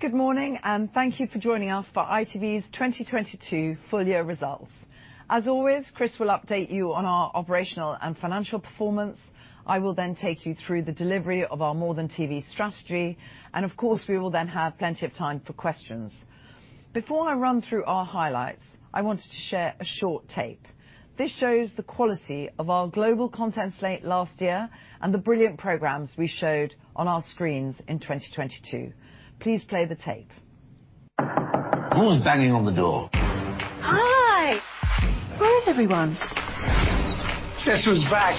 Good morning, thank you for joining us for ITV's 2022 full year results. As always, Chris will update you on our operational and financial performance. I will then take you through the delivery of our More Than TV strategy, and of course, we will then have plenty of time for questions. Before I run through our highlights, I wanted to share a short tape. This shows the quality of our global content slate last year and the brilliant programs we showed on our screens in 2022. Please play the tape. Who's banging on the door? Hi. Where is everyone? Jessica's back.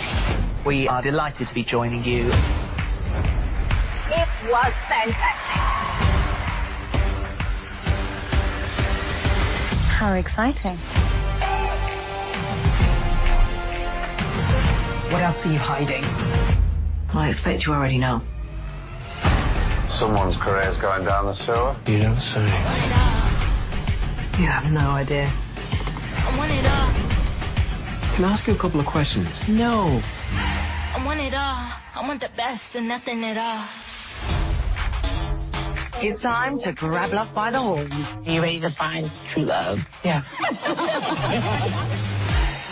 We are delighted to be joining you. It was fantastic. How exciting. What else are you hiding? I expect you already know. Someone's career is going down the sewer. You don't say. You have no idea. I want it all. Can I ask you a couple of questions? No. I want it all. I want the best or nothing at all. It's time to grab love by the horns. Are you ready to find true love? Yeah. I've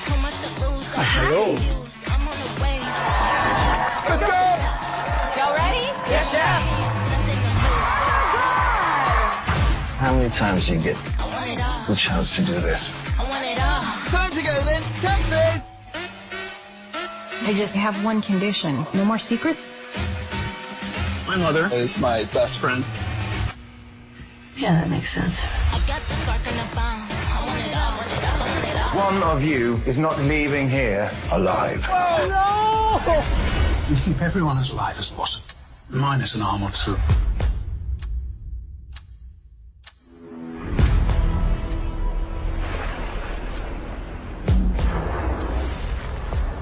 got much to lose. Hello. I'm on the way. Let's go. Y'all ready? Yes, Chef. Oh, my God. How many times do you get I want it all, the chance to do this? I want it all. Time to go, Lynn. Taxi! I just have one condition. No more secrets? My mother is my best friend. Yeah, that makes sense. I got the spark and the bomb. I want it all. I want it all. I want it all. One of you is not leaving here alive. Oh, no. We keep everyone as alive as possible. Minus an arm or two.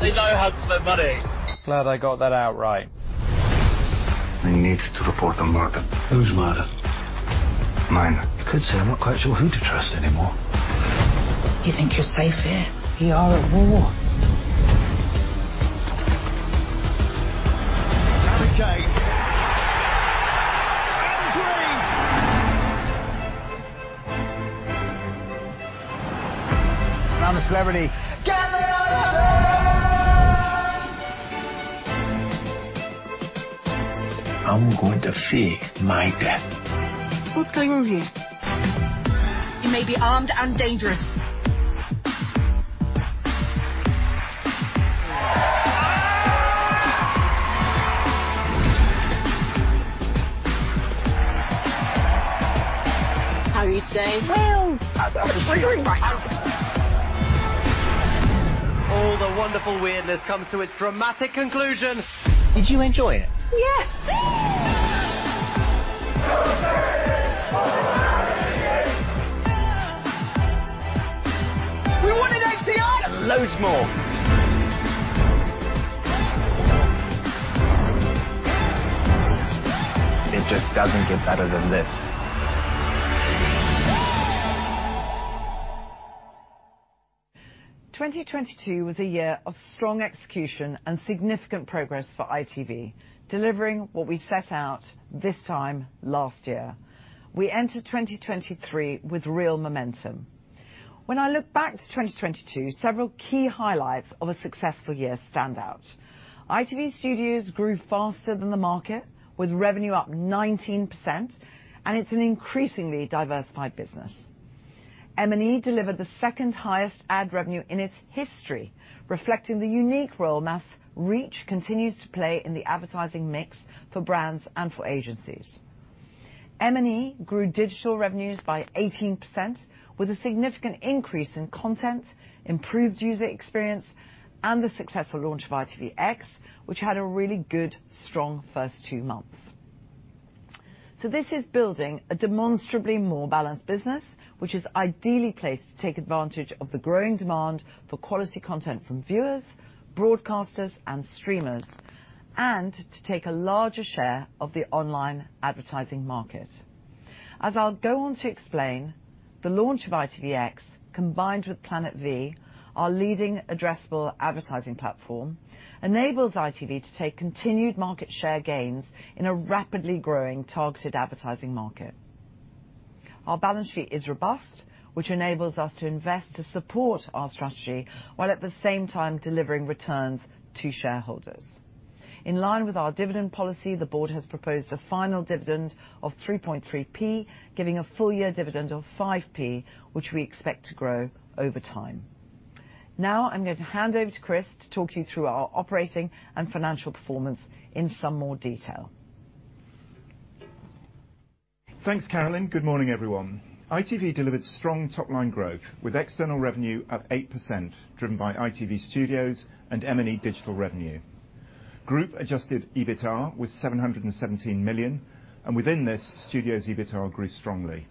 They know how to spend money. Glad I got that out right. I need to report a murder. Whose murder? Mine. You could say I'm not quite sure who to trust anymore. You think you're safe here? We are at war. Harry Kane. A green! I'm a Celebrity...Get Me Out Of Here! I'm going to fake my death. What's going on here? He may be armed and dangerous. How are you today? Well. Let's bring her right out. All the wonderful weirdness comes to its dramatic conclusion. Did you enjoy it? Yes. We wanted ATI and loads more. It just doesn't get better than this. 2022 was a year of strong execution and significant progress for ITV, delivering what we set out this time last year. We enter 2023 with real momentum. When I look back to 2022, several key highlights of a successful year stand out. ITV Studios grew faster than the market, with revenue up 19%, and it's an increasingly diversified business. M&E delivered the second highest ad revenue in its history, reflecting the unique role mass reach continues to play in the advertising mix for brands and for agencies. M&E grew digital revenues by 18% with a significant increase in content, improved user experience, and the successful launch of ITVX, which had a really good, strong first two months. This is building a demonstrably more balanced business, which is ideally placed to take advantage of the growing demand for quality content from viewers, broadcasters, and streamers, and to take a larger share of the online advertising market. As I'll go on to explain, the launch of ITVX, combined with Planet V, our leading addressable advertising platform, enables ITV to take continued market share gains in a rapidly growing targeted advertising market. Our balance sheet is robust, which enables us to invest to support our strategy, while at the same time delivering returns to shareholders. In line with our dividend policy, the board has proposed a final dividend of 3.3p, giving a full year dividend of 5p, which we expect to grow over time. I'm going to hand over to Chris to talk you through our operating and financial performance in some more detail. Thanks, Carolyn. Good morning, everyone. ITV delivered strong top-line growth with external revenue up 8%, driven by ITV Studios and M&E digital revenue. Group Adjusted EBITDA was 717 million, and within this, Studios' EBITDA grew strongly.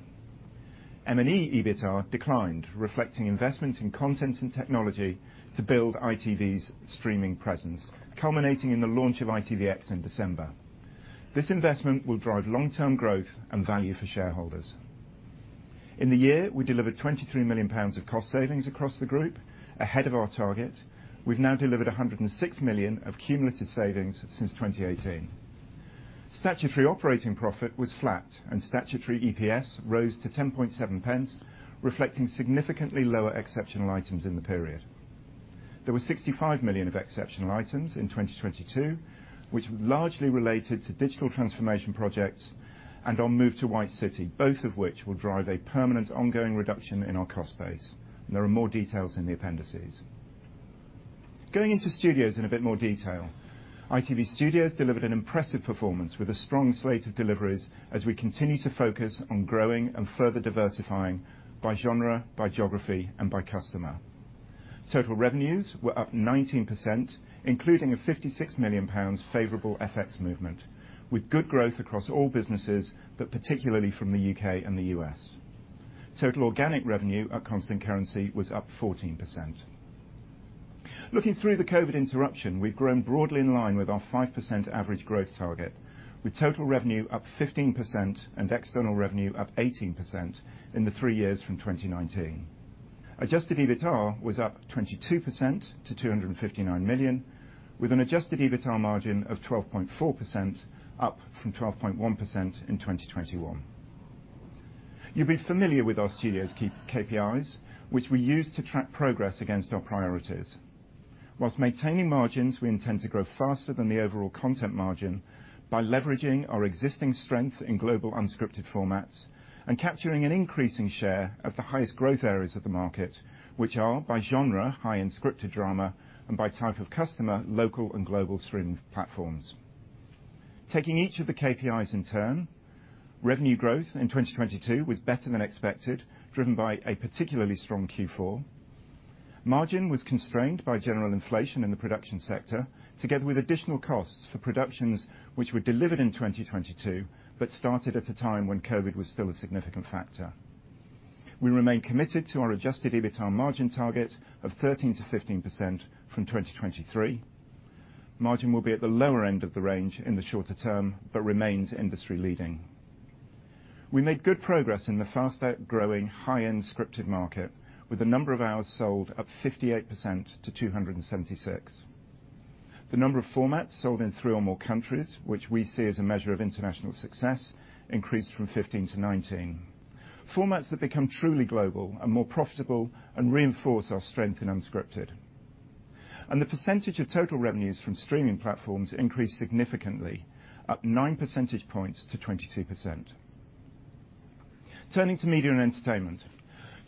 M&E EBITDA declined, reflecting investment in content and technology to build ITV's streaming presence, culminating in the launch of ITVX in December. This investment will drive long-term growth and value for shareholders. In the year, we delivered 23 million pounds of cost savings across the group, ahead of our target. We've now delivered 106 million of cumulative savings since 2018. Statutory operating profit was flat, statutory EPS rose to 0.107, reflecting significantly lower exceptional items in the period. There was 65 million of exceptional items in 2022, which largely related to digital transformation projects and our move to White City, both of which will drive a permanent ongoing reduction in our cost base. There are more details in the appendices. Going into Studios in a bit more detail, ITV Studios delivered an impressive performance with a strong slate of deliveries as we continue to focus on growing and further diversifying by genre, by geography, and by customer. Total revenues were up 19%, including a 56 million pounds favorable FX movement, with good growth across all businesses, but particularly from the U.K. and the U.S. Total organic revenue at constant currency was up 14%. Looking through the COVID interruption, we've grown broadly in line with our 5% average growth target, with total revenue up 15% and external revenue up 18% in the three years from 2019. Adjusted EBITDA was up 22% to 259 million, with an Adjusted EBITDA margin of 12.4%, up from 12.1% in 2021. You'll be familiar with our studios key KPIs, which we use to track progress against our priorities. Whilst maintaining margins, we intend to grow faster than the overall content margin by leveraging our existing strength in global unscripted formats and capturing an increasing share of the highest growth areas of the market, which are, by genre, high in scripted drama, and by type of customer, local and global streaming platforms. Taking each of the KPIs in turn, revenue growth in 2022 was better than expected, driven by a particularly strong Q4. Margin was constrained by general inflation in the production sector, together with additional costs for productions which were delivered in 2022, but started at a time when COVID was still a significant factor. We remain committed to our Adjusted EBITDA margin target of 13%-15% from 2023. Margin will be at the lower end of the range in the shorter term, but remains industry-leading. We made good progress in the faster-growing high-end scripted market, with the number of hours sold up 58% to 276. The number of formats sold in three or more countries, which we see as a measure of international success, increased from 15 to 19. Formats that become truly global are more profitable and reinforce our strength in unscripted. The percentage of total revenues from streaming platforms increased significantly, up 9 percentage points to 22%. Turning to Media and Entertainment.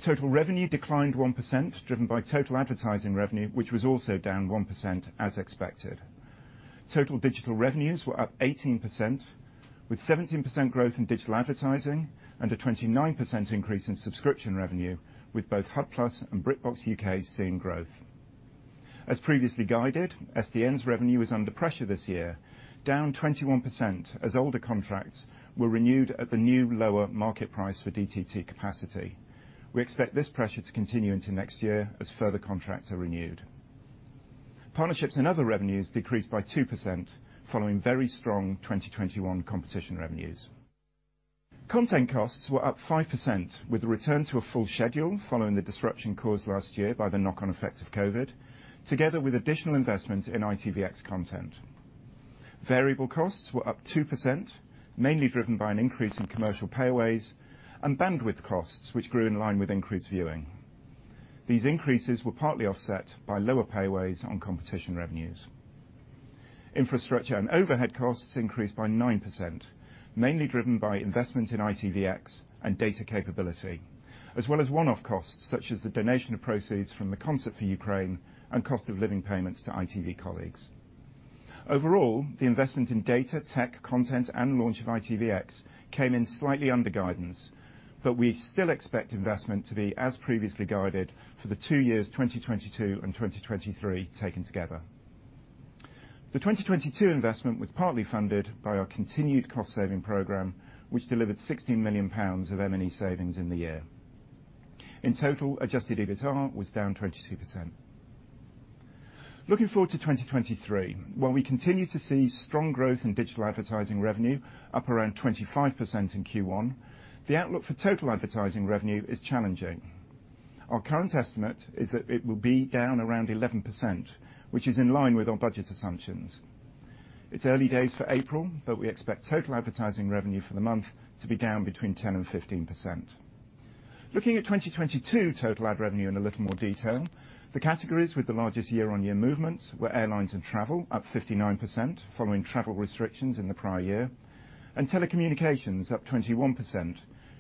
Total revenue declined 1%, driven by total advertising revenue, which was also down 1% as expected. Total digital revenues were up 18%, with 17% growth in digital advertising and a 29% increase in subscription revenue, with both Hub+ and BritBox U.K. seeing growth. As previously guided, SDN's revenue is under pressure this year, down 21% as older contracts were renewed at the new lower market price for DTT capacity. We expect this pressure to continue into next year as further contracts are renewed. Partnerships and other revenues decreased by 2% following very strong 2021 competition revenues. Content costs were up 5% with the return to a full schedule following the disruption caused last year by the knock-on effects of COVID, together with additional investment in ITVX content. Variable costs were up 2%, mainly driven by an increase in commercial payways and bandwidth costs, which grew in line with increased viewing. These increases were partly offset by lower payways on competition revenues. Infrastructure and overhead costs increased by 9%, mainly driven by investment in ITVX and data capability, as well as one-off costs such as the donation of proceeds from the Concert for Ukraine and cost of living payments to ITV colleagues. Overall, the investment in data, tech, content, and launch of ITVX came in slightly under guidance, but we still expect investment to be as previously guided for the two years, 2022 and 2023, taken together. The 2022 investment was partly funded by our continued cost-saving program, which delivered 60 million pounds of M&E savings in the year. In total, Adjusted EBITDA was down 22%. Looking forward to 2023, while we continue to see strong growth in digital advertising revenue up around 25% in Q1, the outlook for total advertising revenue is challenging. Our current estimate is that it will be down around 11%, which is in line with our budget assumptions. It's early days for April. We expect total advertising revenue for the month to be down between 10%-15%. Looking at 2022 total ad revenue in a little more detail, the categories with the largest year-on-year movements were airlines and travel, up 59%, following travel restrictions in the prior year, and telecommunications, up 21%,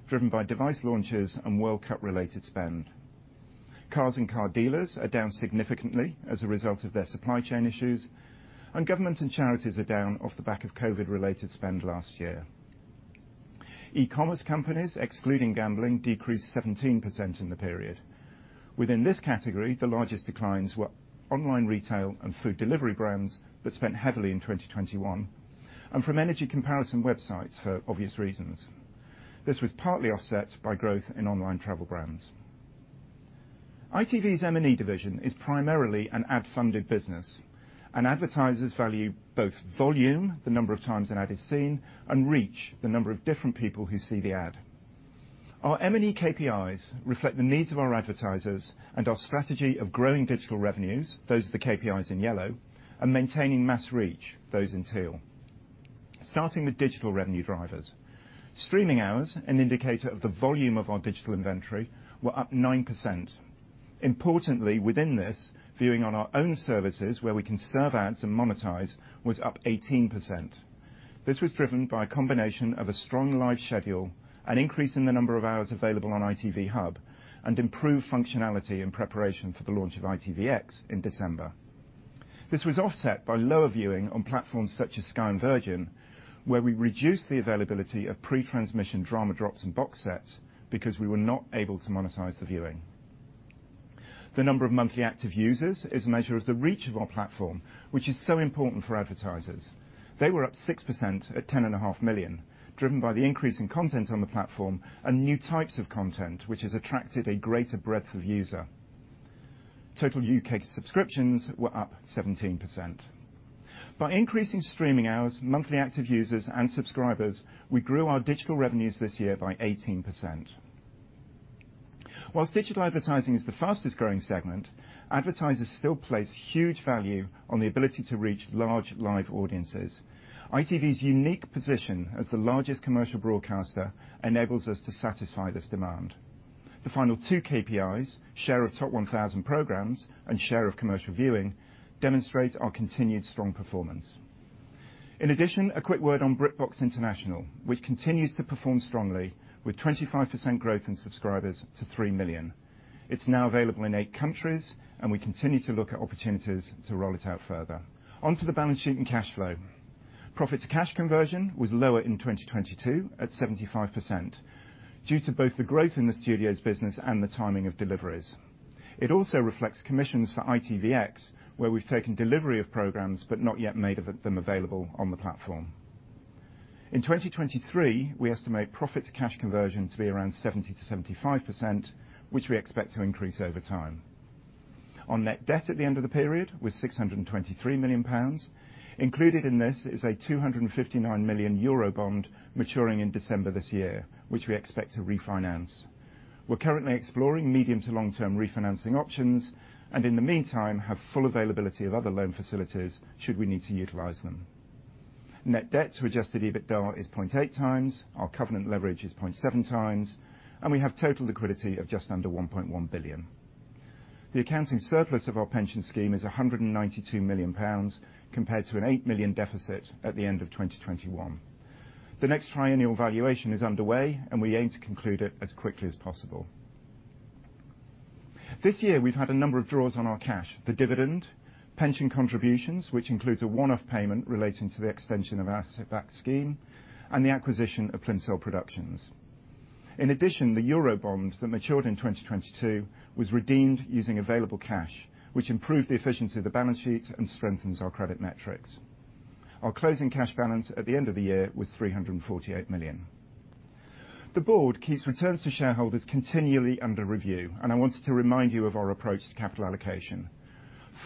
driven by device launches and World Cup related spend. Cars and car dealers are down significantly as a result of their supply chain issues, and government and charities are down off the back of COVID-related spend last year. E-commerce companies, excluding gambling, decreased 17% in the period. Within this category, the largest declines were online retail and food delivery brands that spent heavily in 2021, and from energy comparison websites for obvious reasons. This was partly offset by growth in online travel brands. ITV's M&E division is primarily an ad-funded business, and advertisers value both volume, the number of times an ad is seen, and reach, the number of different people who see the ad. Our M&E KPIs reflect the needs of our advertisers and our strategy of growing digital revenues, those are the KPIs in yellow, and maintaining mass reach, those in teal. Starting with digital revenue drivers. Streaming hours, an indicator of the volume of our digital inventory, were up 9%. Importantly, within this, viewing on our own services, where we can serve ads and monetize, was up 18%. This was driven by a combination of a strong live schedule, an increase in the number of hours available on ITV Hub, and improved functionality in preparation for the launch of ITVX in December. This was offset by lower viewing on platforms such as Sky and Virgin, where we reduced the availability of pre-transmission drama drops and box sets because we were not able to monetize the viewing. The number of monthly active users is a measure of the reach of our platform, which is so important for advertisers. They were up 6% at 10.5 Million, driven by the increase in content on the platform and new types of content, which has attracted a greater breadth of user. Total U.K. subscriptions were up 17%. By increasing streaming hours, monthly active users, and subscribers, we grew our digital revenues this year by 18%. While digital advertising is the fastest-growing segment, advertisers still place huge value on the ability to reach large live audiences. ITV's unique position as the largest commercial broadcaster enables us to satisfy this demand. The final two KPIs, share of top 1,000 programs and share of commercial viewing, demonstrate our continued strong performance. In addition, a quick word on BritBox International, which continues to perform strongly with 25% growth in subscribers to 3 million. It's now available in eight countries. We continue to look at opportunities to roll it out further. On to the balance sheet and cash flow. Profit to cash conversion was lower in 2022 at 75% due to both the growth in the Studios' business and the timing of deliveries. It also reflects commissions for ITVX, where we've taken delivery of programs but not yet made them available on the platform. In 2023, we estimate profit to cash conversion to be around 70%-75%, which we expect to increase over time. Net debt at the end of the period was 623 million pounds. Included in this is a 259 million euro bond maturing in December this year, which we expect to refinance. We're currently exploring medium to long-term refinancing options. In the meantime, have full availability of other loan facilities should we need to utilize them. Net debt to Adjusted EBITDA is 0.8x, our covenant leverage is 0.7x. We have total liquidity of just under 1.1 billion. The accounting surplus of our pension scheme is 192 million pounds compared to a 8 million deficit at the end of 2021. The next triennial valuation is underway. We aim to conclude it as quickly as possible. This year, we've had a number of draws on our cash. The dividend, pension contributions, which includes a one-off payment relating to the extension of our asset-backed scheme, and the acquisition of Plimsoll Productions. The euro bond that matured in 2022 was redeemed using available cash, which improved the efficiency of the balance sheet and strengthens our credit metrics. Our closing cash balance at the end of the year was 348 million. The board keeps returns to shareholders continually under review, and I wanted to remind you of our approach to capital allocation.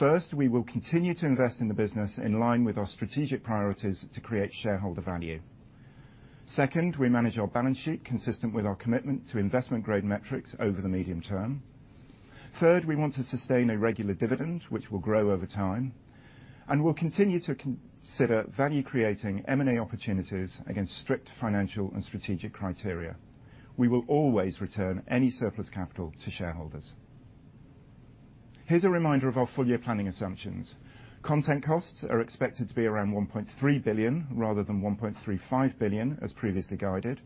First, we will continue to invest in the business in line with our strategic priorities to create shareholder value. Second, we manage our balance sheet consistent with our commitment to investment-grade metrics over the medium term. Third, we want to sustain a regular dividend which will grow over time, and we'll continue to consider value-creating M&A opportunities against strict financial and strategic criteria. We will always return any surplus capital to shareholders. Here's a reminder of our full year planning assumptions. Content costs are expected to be around 1.3 billion rather than 1.35 billion as previously guided.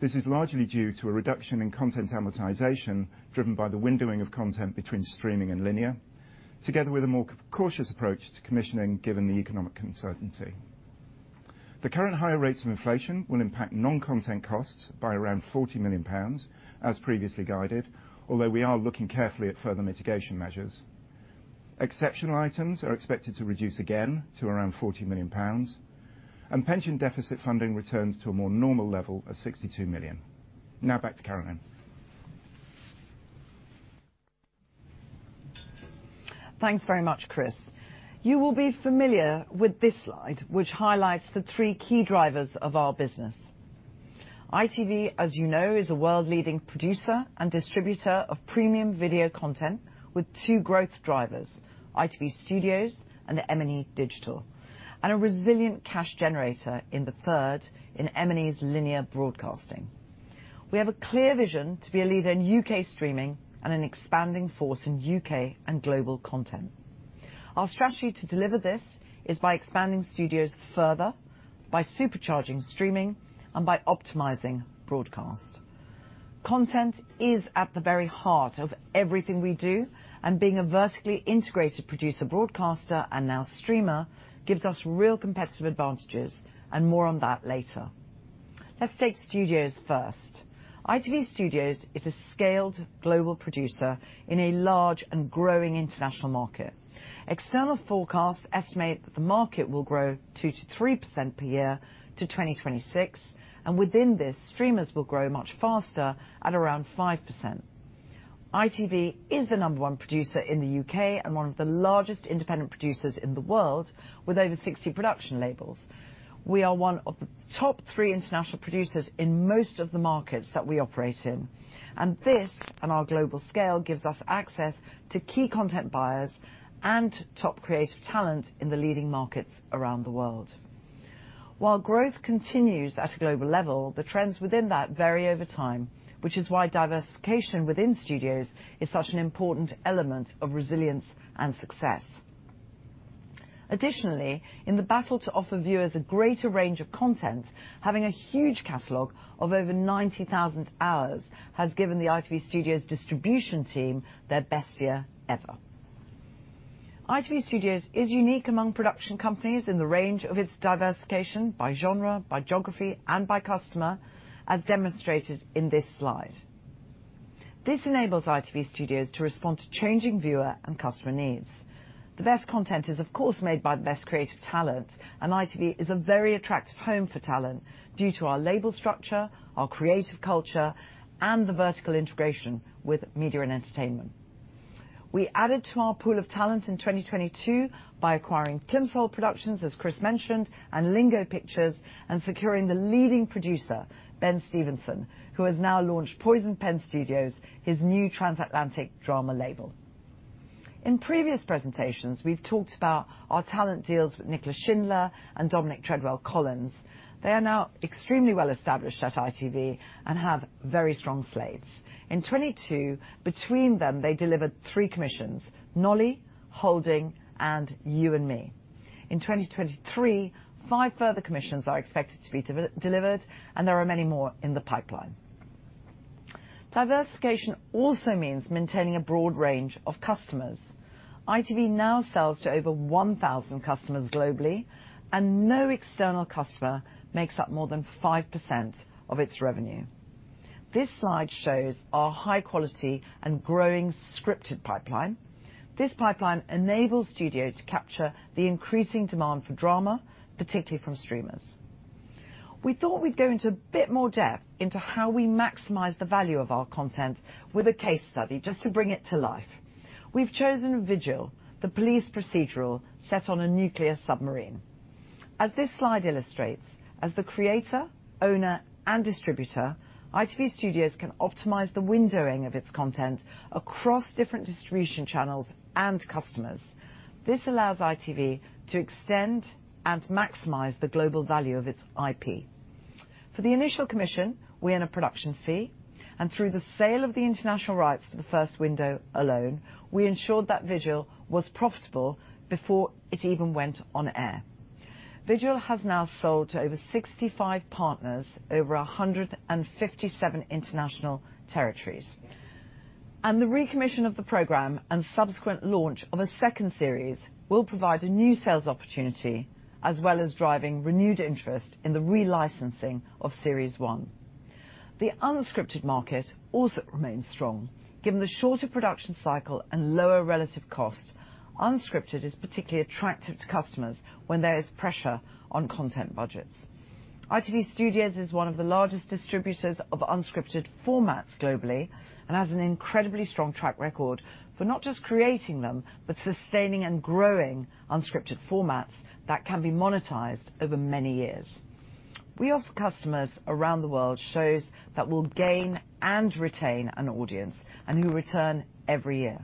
This is largely due to a reduction in content amortization driven by the windowing of content between streaming and linear, together with a more cautious approach to commissioning, given the economic uncertainty. The current higher rates of inflation will impact non-content costs by around 40 million pounds as previously guided, although we are looking carefully at further mitigation measures. Exceptional items are expected to reduce again to around 40 million pounds, and pension deficit funding returns to a more normal level of 62 million. Back to Carolyn. Thanks very much, Chris. You will be familiar with this slide, which highlights the three key drivers of our business. ITV, as you know, is a world-leading producer and distributor of premium video content with two growth drivers, ITV Studios and M&E Digital, and a resilient cash generator in the third, in M&E's linear broadcasting. We have a clear vision to be a leader in U.K. streaming and an expanding force in U.K. and global content. Our strategy to deliver this is by expanding studios further, by supercharging streaming, and by optimizing broadcast. Being a vertically integrated producer broadcaster and now streamer gives us real competitive advantages, and more on that later. Let's take studios first. ITV Studios is a scaled global producer in a large and growing international market. External forecasts estimate that the market will grow 2%-3% per year to 2026. Within this, streamers will grow much faster at around 5%. ITV is the number one producer in the U.K. and one of the largest independent producers in the world, with over 60 production labels. We are one of the top three international producers in most of the markets that we operate in. This, on our global scale, gives us access to key content buyers and top creative talent in the leading markets around the world. While growth continues at a global level, the trends within that vary over time, which is why diversification within studios is such an important element of resilience and success. Additionally, in the battle to offer viewers a greater range of content, having a huge catalog of over 90,000 hours has given the ITV Studios distribution team their best year ever. ITV Studios is unique among production companies in the range of its diversification by genre, by geography, and by customer, as demonstrated in this slide. This enables ITV Studios to respond to changing viewer and customer needs. The best content is, of course, made by the best creative talent, and ITV is a very attractive home for talent due to our label structure, our creative culture, and the vertical integration with media and entertainment. We added to our pool of talent in 2022 by acquiring Plimsoll Productions, as Chris mentioned, and Lingo Pictures, and securing the leading producer, Ben Stephenson, who has now launched Poison Pen Studios, his new transatlantic drama label. In previous presentations, we've talked about our talent deals with Nicola Shindler and Dominic Treadwell-Collins. They are now extremely well-established at ITV and have very strong slates. In 2022, between them, they delivered three commissions, Nolly, Holding, and You and Me. In 2023, five further commissions are expected to be delivered, and there are many more in the pipeline. Diversification also means maintaining a broad range of customers. ITV now sells to over 1,000 customers globally, and no external customer makes up more than 5% of its revenue. This slide shows our high quality and growing scripted pipeline. This pipeline enables studio to capture the increasing demand for drama, particularly from streamers. We thought we'd go into a bit more depth into how we maximize the value of our content with a case study just to bring it to life. We've chosen Vigil, the police procedural set on a nuclear submarine. As this slide illustrates, as the creator, owner, and distributor, ITV Studios can optimize the windowing of its content across different distribution channels and customers. This allows ITV to extend and maximize the global value of its IP. For the initial commission, we earn a production fee, and through the sale of the international rights to the first window alone, we ensured that Vigil was profitable before it even went on air. Vigil has now sold to over 65 partners over 157 international territories. The recommission of the program and subsequent launch of a second series will provide a new sales opportunity, as well as driving renewed interest in the relicensing of series one. The unscripted market also remains strong. Given the shorter production cycle and lower relative cost, unscripted is particularly attractive to customers when there is pressure on content budgets. ITV Studios is one of the largest distributors of unscripted formats globally, and has an incredibly strong track record for not just creating them, but sustaining and growing unscripted formats that can be monetized over many years. We offer customers around the world shows that will gain and retain an audience, and who return every year.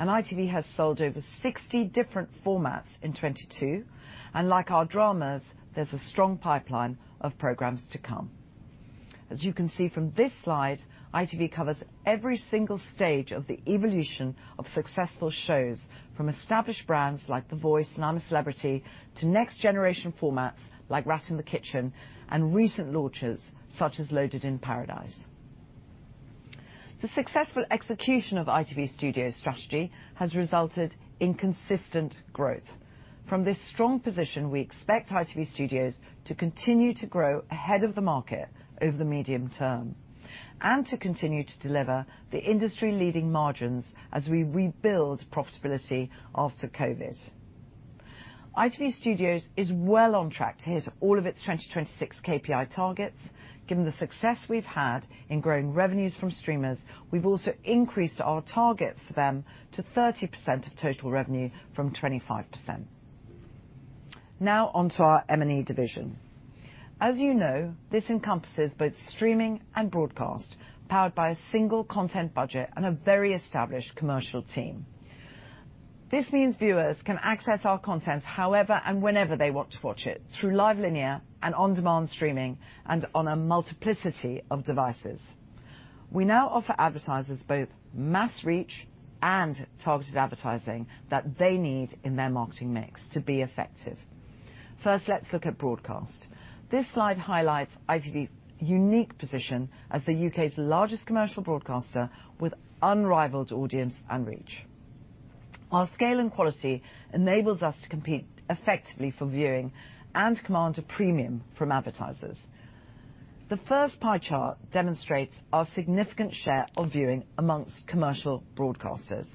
ITV has sold over 60 different formats in 2022, and like our dramas, there's a strong pipeline of programs to come. As you can see from this slide, ITV covers every single stage of the evolution of successful shows, from established brands like The Voice and I'm A Celebrity, to next generation formats like Rat in the Kitchen, and recent launches such as Loaded in Paradise. The successful execution of ITV Studios' strategy has resulted in consistent growth. From this strong position, we expect ITV Studios to continue to grow ahead of the market over the medium term, and to continue to deliver the industry-leading margins as we rebuild profitability after COVID. ITV Studios is well on track to hit all of its 2026 KPI targets. Given the success we've had in growing revenues from streamers, we've also increased our target for them to 30% of total revenue from 25%. On to our M&E division. As you know, this encompasses both streaming and broadcast, powered by a single content budget and a very established commercial team. This means viewers can access our content however and whenever they want to watch it, through live linear and on-demand streaming, and on a multiplicity of devices. We now offer advertisers both mass reach and targeted advertising that they need in their marketing mix to be effective. First, let's look at broadcast. This slide highlights ITV's unique position as the U.K.'s largest commercial broadcaster with unrivaled audience and reach. Our scale and quality enables us to compete effectively for viewing and command a premium from advertisers. The first pie chart demonstrates our significant share of viewing amongst commercial broadcasters.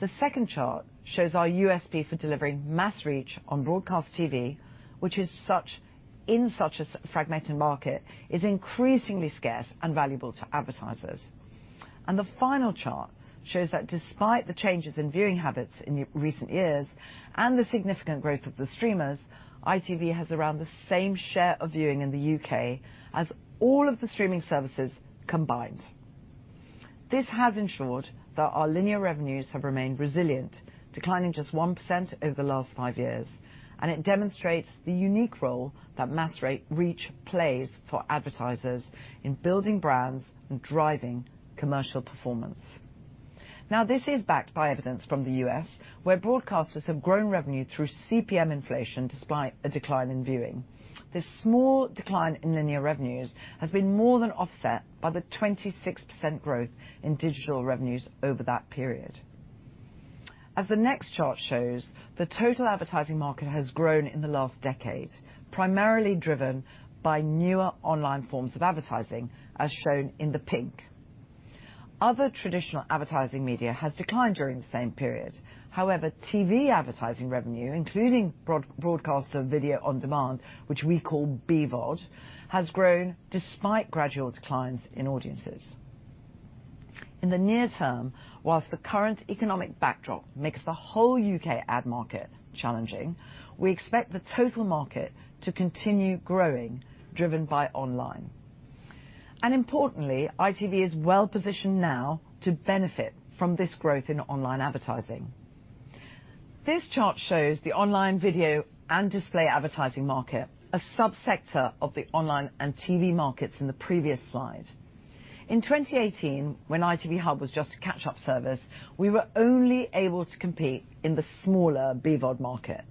The second chart shows our USP for delivering mass reach on broadcast TV, which in such a fragmented market, is increasingly scarce and valuable to advertisers. The final chart shows that despite the changes in viewing habits in recent years, and the significant growth of the streamers, ITV has around the same share of viewing in the U.K. As all of the streaming services combined. This has ensured that our linear revenues have remained resilient, declining just 1% over the last five years, and it demonstrates the unique role that mass reach plays for advertisers in building brands and driving commercial performance. This is backed by evidence from the U.S., where broadcasters have grown revenue through CPM inflation despite a decline in viewing. This small decline in linear revenues has been more than offset by the 26% growth in digital revenues over that period. As the next chart shows, the total advertising market has grown in the last decade, primarily driven by newer online forms of advertising, as shown in the pink. Other traditional advertising media has declined during the same period. TV advertising revenue, including broadcast of video on demand, which we call BVOD, has grown despite gradual declines in audiences. In the near term, whilst the current economic backdrop makes the whole U.K. ad market challenging, we expect the total market to continue growing, driven by online. Importantly, ITV is well-positioned now to benefit from this growth in online advertising. This chart shows the online video and display advertising market, a subsector of the online and TV markets in the previous slide. In 2018, when ITV Hub was just a catch-up service, we were only able to compete in the smaller BVOD market.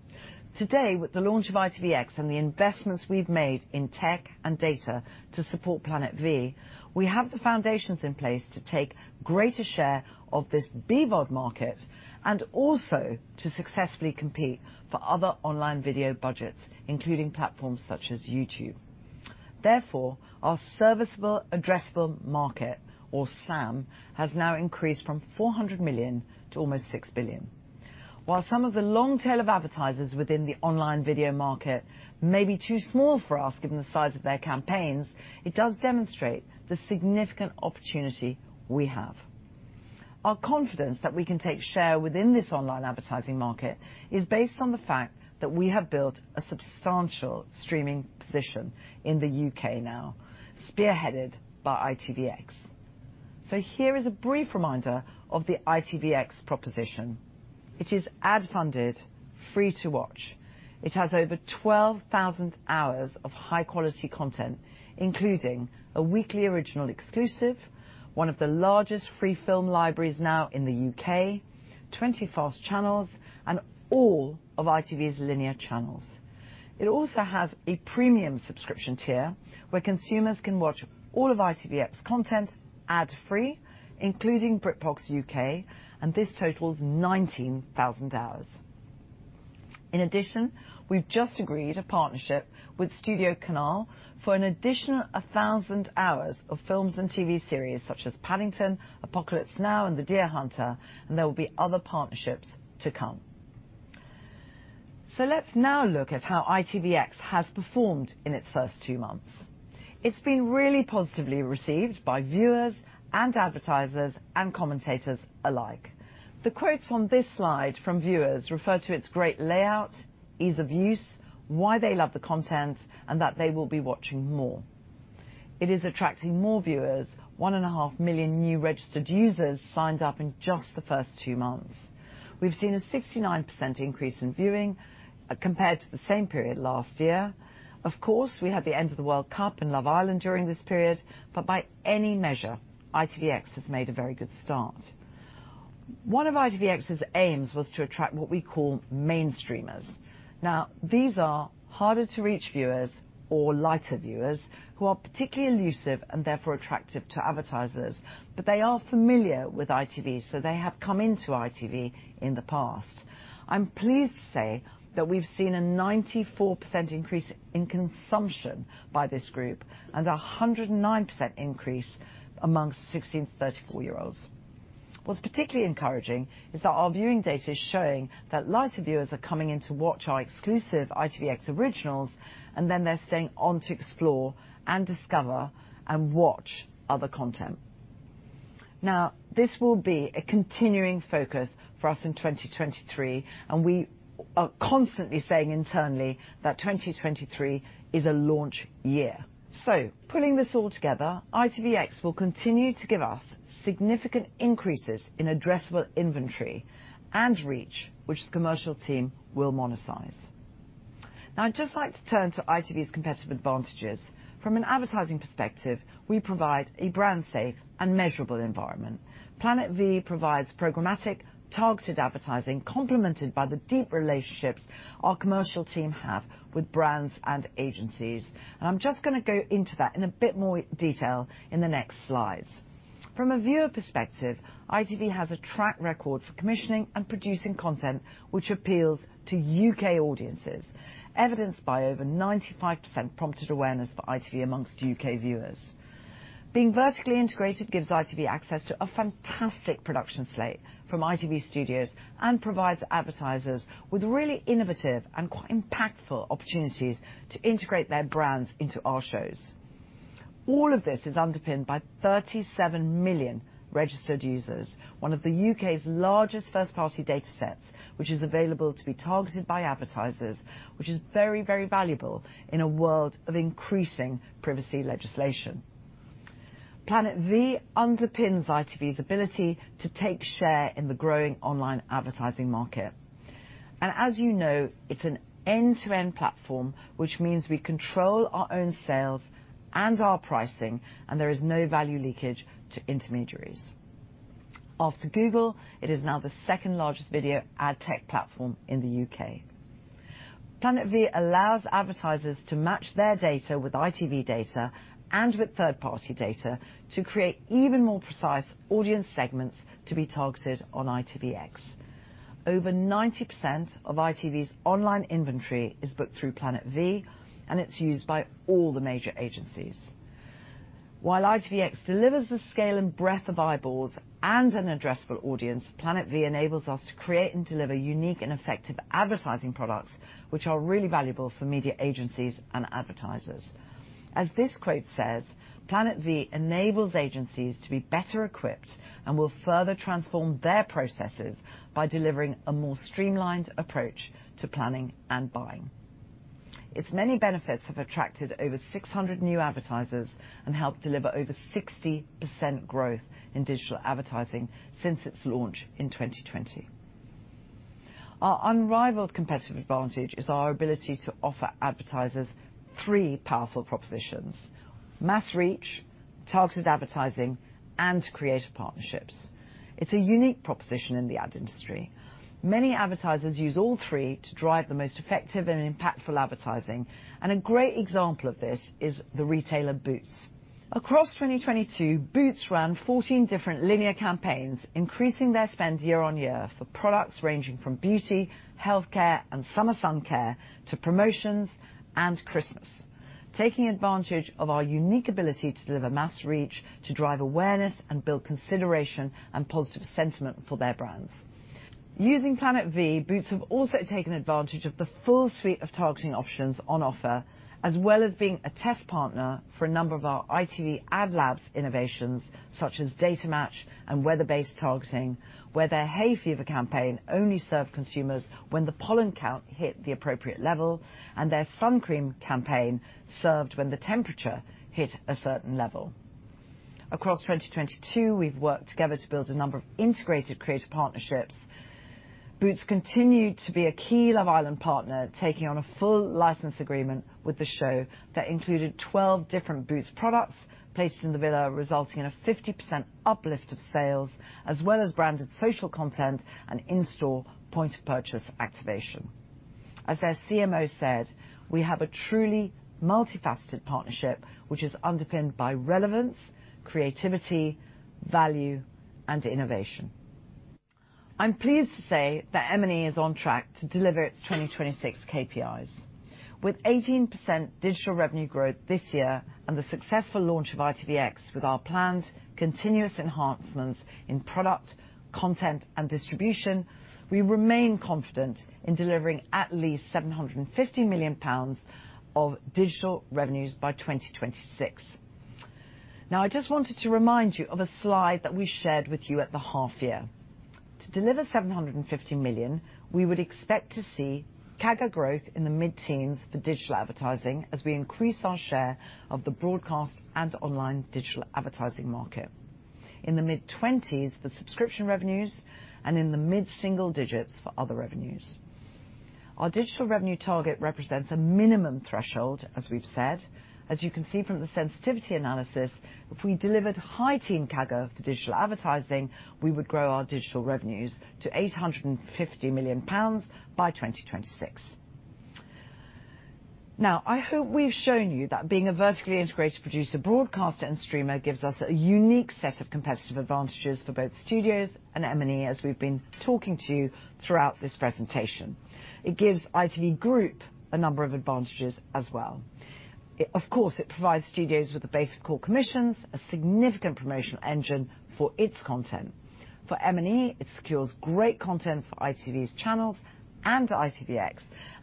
Today, with the launch of ITVX and the investments we've made in tech and data to support Planet V, we have the foundations in place to take greater share of this BVOD market and also to successfully compete for other online video budgets, including platforms such as YouTube. Therefore, our serviceable addressable market, or SAM, has now increased from 400 million to almost 6 billion. While some of the long tail of advertisers within the online video market may be too small for us given the size of their campaigns, it does demonstrate the significant opportunity we have. Our confidence that we can take share within this online advertising market is based on the fact that we have built a substantial streaming position in the U.K. now, spearheaded by ITVX. Here is a brief reminder of the ITVX proposition. It is ad funded, free to watch. It has over 12,000 hours of high-quality content, including a weekly original exclusive, one of the largest free film libraries now in the U.K., 20 FAST channels, and all of ITV's linear channels. It also has a premium subscription tier, where consumers can watch all of ITVX content ad-free, including BritBox U.K., and this totals 19,000 hours. In addition, we've just agreed a partnership with StudioCanal for an additional 1,000 hours of films and TV series such as Paddington, Apocalypse Now, and The Deer Hunter, and there will be other partnerships to come. Let's now look at how ITVX has performed in its first two months. It's been really positively received by viewers and advertisers and commentators alike. The quotes on this slide from viewers refer to its great layout, ease of use, why they love the content, and that they will be watching more. It is attracting more viewers, 1.5 million new registered users signed up in just the first two months. We've seen a 69% increase in viewing compared to the same period last year. Of course, we had the end of the World Cup and Love Island during this period, but by any measure, ITVX has made a very good start. One of ITVX's aims was to attract what we call main streamers. Now, these are harder to reach viewers or lighter viewers who are particularly elusive and therefore attractive to advertisers, but they are familiar with ITV, so they have come into ITV in the past. I'm pleased to say that we've seen a 94% increase in consumption by this group and a 109% increase amongst 16-34-year-olds. What's particularly encouraging is that our viewing data is showing that lighter viewers are coming in to watch our exclusive ITVX originals, and then they're staying on to explore and discover and watch other content. This will be a continuing focus for us in 2023, and we are constantly saying internally that 2023 is a launch year. Pulling this all together, ITVX will continue to give us significant increases in addressable inventory and reach which the commercial team will monetize. I'd just like to turn to ITV's competitive advantages. From an advertising perspective, we provide a brand safe and measurable environment. Planet V provides programmatic targeted advertising complemented by the deep relationships our commercial team have with brands and agencies. I'm just gonna go into that in a bit more detail in the next slides. From a viewer perspective, ITV has a track record for commissioning and producing content which appeals to U.K. audiences, evidenced by over 95% prompted awareness for ITV amongst U.K. viewers. Being vertically integrated gives ITV access to a fantastic production slate from ITV Studios and provides advertisers with really innovative and quite impactful opportunities to integrate their brands into our shows. All of this is underpinned by 37 million registered users, one of the U.K.'s largest first-party datasets, which is available to be targeted by advertisers, which is very, very valuable in a world of increasing privacy legislation. Planet V underpins ITV's ability to take share in the growing online advertising market. As you know, it's an end-to-end platform, which means we control our own sales and our pricing, and there is no value leakage to intermediaries. After Google, it is now the second-largest video ad tech platform in the U.K. Planet V allows advertisers to match their data with ITV data and with third-party data to create even more precise audience segments to be targeted on ITVX. Over 90% of ITV's online inventory is booked through Planet V, and it's used by all the major agencies. While ITVX delivers the scale and breadth of eyeballs and an addressable audience, Planet V enables us to create and deliver unique and effective advertising products which are really valuable for media agencies and advertisers. As this quote says, Planet V enables agencies to be better equipped and will further transform their processes by delivering a more streamlined approach to planning and buying. Its many benefits have attracted over 600 new advertisers and helped deliver over 60% growth in digital advertising since its launch in 2020. Our unrivaled competitive advantage is our ability to offer advertisers three powerful propositions: mass reach, targeted advertising, and creative partnerships. It's a unique proposition in the ad industry. Many advertisers use all three to drive the most effective and impactful advertising, and a great example of this is the retailer Boots. Across 2022, Boots ran 14 different linear campaigns, increasing their spend year-on-year for products ranging from beauty, healthcare, and summer sun care, to promotions and Christmas. Taking advantage of our unique ability to deliver mass reach to drive awareness and build consideration and positive sentiment for their brands. Using Planet V, Boots have also taken advantage of the full suite of targeting options on offer, as well as being a test partner for a number of our ITV Ad Labs innovations, such as Data Match and weather-based targeting, where their hay fever campaign only served consumers when the pollen count hit the appropriate level and their sun cream campaign served when the temperature hit a certain level. Across 2022, we've worked together to build a number of integrated creative partnerships. Boots continued to be a key Love Island partner, taking on a full license agreement with the show that included 12 different Boots products placed in the villa, resulting in a 50% uplift of sales, as well as branded social content and in-store point-of-purchase activation. As their CMO said, we have a truly multifaceted partnership, which is underpinned by relevance, creativity, value, and innovation. I'm pleased to say that M&E is on track to deliver its 2026 KPIs. With 18% digital revenue growth this year and the successful launch of ITVX with our planned continuous enhancements in product, content, and distribution, we remain confident in delivering at least 750 million pounds of digital revenues by 2026. I just wanted to remind you of a slide that we shared with you at the half year. To deliver 750 million, we would expect to see CAGR growth in the mid-teens for digital advertising as we increase our share of the broadcast and online digital advertising market, in the mid-20s for subscription revenues, and in the mid-single digits for other revenues. Our digital revenue target represents a minimum threshold, as we've said. As you can see from the sensitivity analysis, if we delivered high-teen CAGR for digital advertising, we would grow our digital revenues to 850 million pounds by 2026. I hope we've shown you that being a vertically integrated producer, broadcaster, and streamer gives us a unique set of competitive advantages for both studios and M&E, as we've been talking to you throughout this presentation. It gives ITV Group a number of advantages as well. Of course, it provides studios with a base of core commissions, a significant promotional engine for its content. For M&E, it secures great content for ITV's channels and ITVX.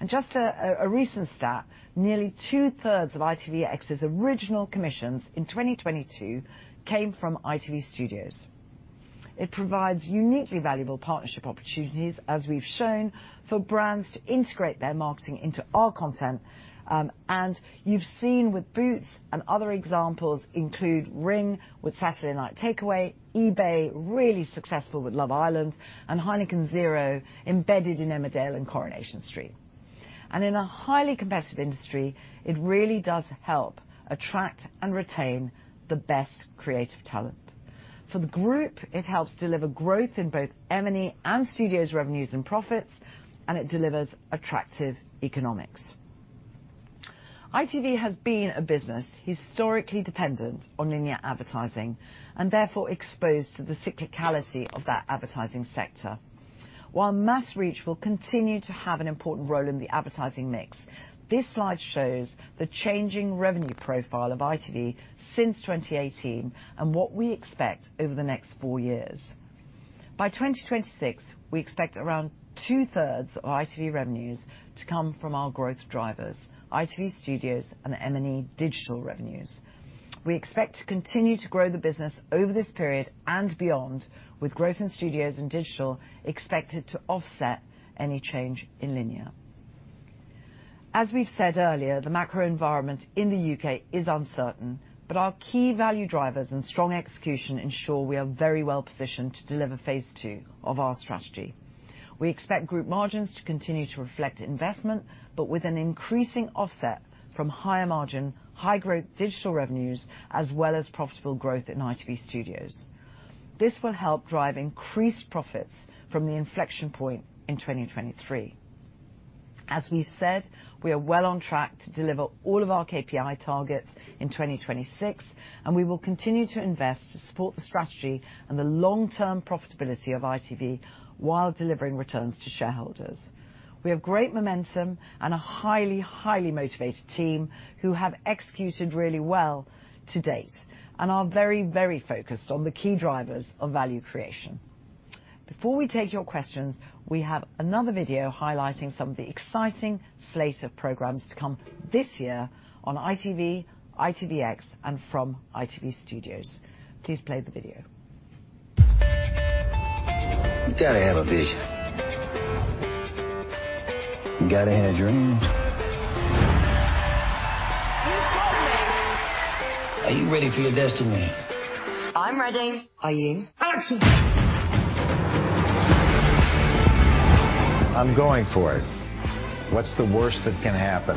Just a recent stat, nearly 2/3 of ITVX's original commissions in 2022 came from ITV Studios. It provides uniquely valuable partnership opportunities, as we've shown, for brands to integrate their marketing into our content. You've seen with Boots and other examples include Ring with Saturday Night Takeaway, eBay, really successful with Love Island, and Heineken Zero embedded in Emmerdale and Coronation Street. In a highly competitive industry, it really does help attract and retain the best creative talent. For the group, it helps deliver growth in both M&E and Studios revenues and profits, and it delivers attractive economics. ITV has been a business historically dependent on linear advertising, and therefore exposed to the cyclicality of that advertising sector. While mass reach will continue to have an important role in the advertising mix, this slide shows the changing revenue profile of ITV since 2018 and what we expect over the next four years. By 2026, we expect around 2/3 of ITV revenues to come from our growth drivers, ITV Studios and M&E digital revenues. We expect to continue to grow the business over this period and beyond, with growth in studios and digital expected to offset any change in linear. As we've said earlier, the macro environment in the U.K. is uncertain. Our key value drivers and strong execution ensure we are very well positioned to deliver phase two of our strategy. We expect group margins to continue to reflect investment. With an increasing offset from higher margin, high growth digital revenues, as well as profitable growth in ITV Studios. This will help drive increased profits from the inflection point in 2023. As we've said, we are well on track to deliver all of our KPI targets in 2026. We will continue to invest to support the strategy and the long-term profitability of ITV while delivering returns to shareholders. We have great momentum and a highly motivated team who have executed really well to date and are very focused on the key drivers of value creation. Before we take your questions, we have another video highlighting some of the exciting slate of programs to come this year on ITV, ITVX, and from ITV Studios. Please play the video. You gotta have a vision. You gotta have dreams. You told me. Are you ready for your destiny? I'm ready. Are you? Action. I'm going for it. What's the worst that can happen?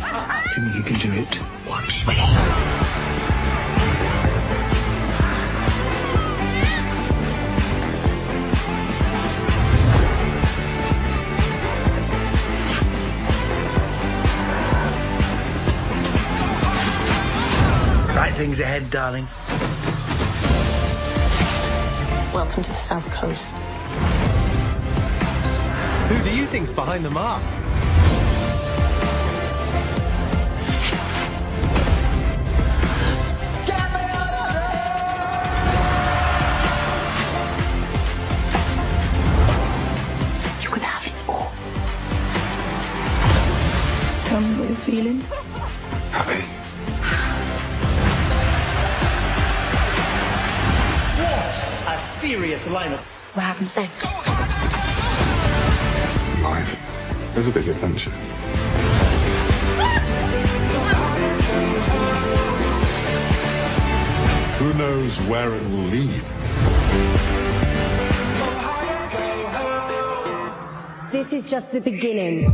You can do it. Watch me. Great things ahead, darling. Welcome to the South Coast. Who do you think is behind the mask? Get out of here. You can have it all. Tell me where you're feeling. Happy. What a serious lineup. What happens next? Life is a big adventure. Who knows where it will lead? This is just the beginning.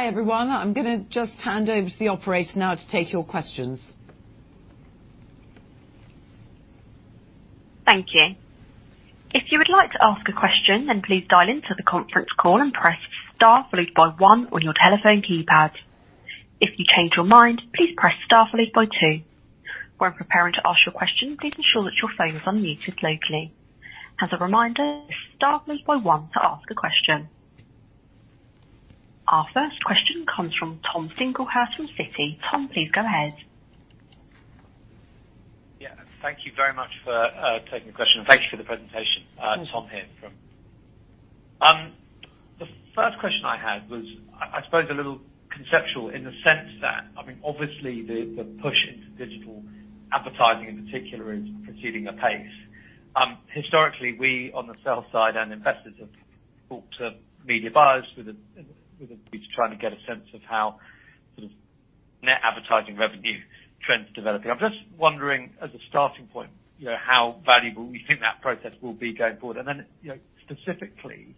Hi, everyone. I'm gonna just hand over to the operator now to take your questions. Thank you. If you would like to ask a question, then please dial into the conference call and press Star followed by one on your telephone keypad. If you change your mind, please press Star followed by two. When preparing to ask your question, please ensure that your phone is unmuted locally. As a reminder, Star followed by one to ask a question. Our first question comes from Tom Singlehurst from Citi. Tom, please go ahead. Yeah. Thank you very much for taking the question. Thank you for the presentation. Tom here from... The first question I had was, I suppose, a little conceptual in the sense that, I mean, obviously, the push into digital advertising in particular is proceeding apace. Historically, we, on the sales side and investors, have talked to media buyers with a we're trying to get a sense of how sort of net advertising revenue trends are developing. I'm just wondering, as a starting point, you know, how valuable you think that process will be going forward. Specifically,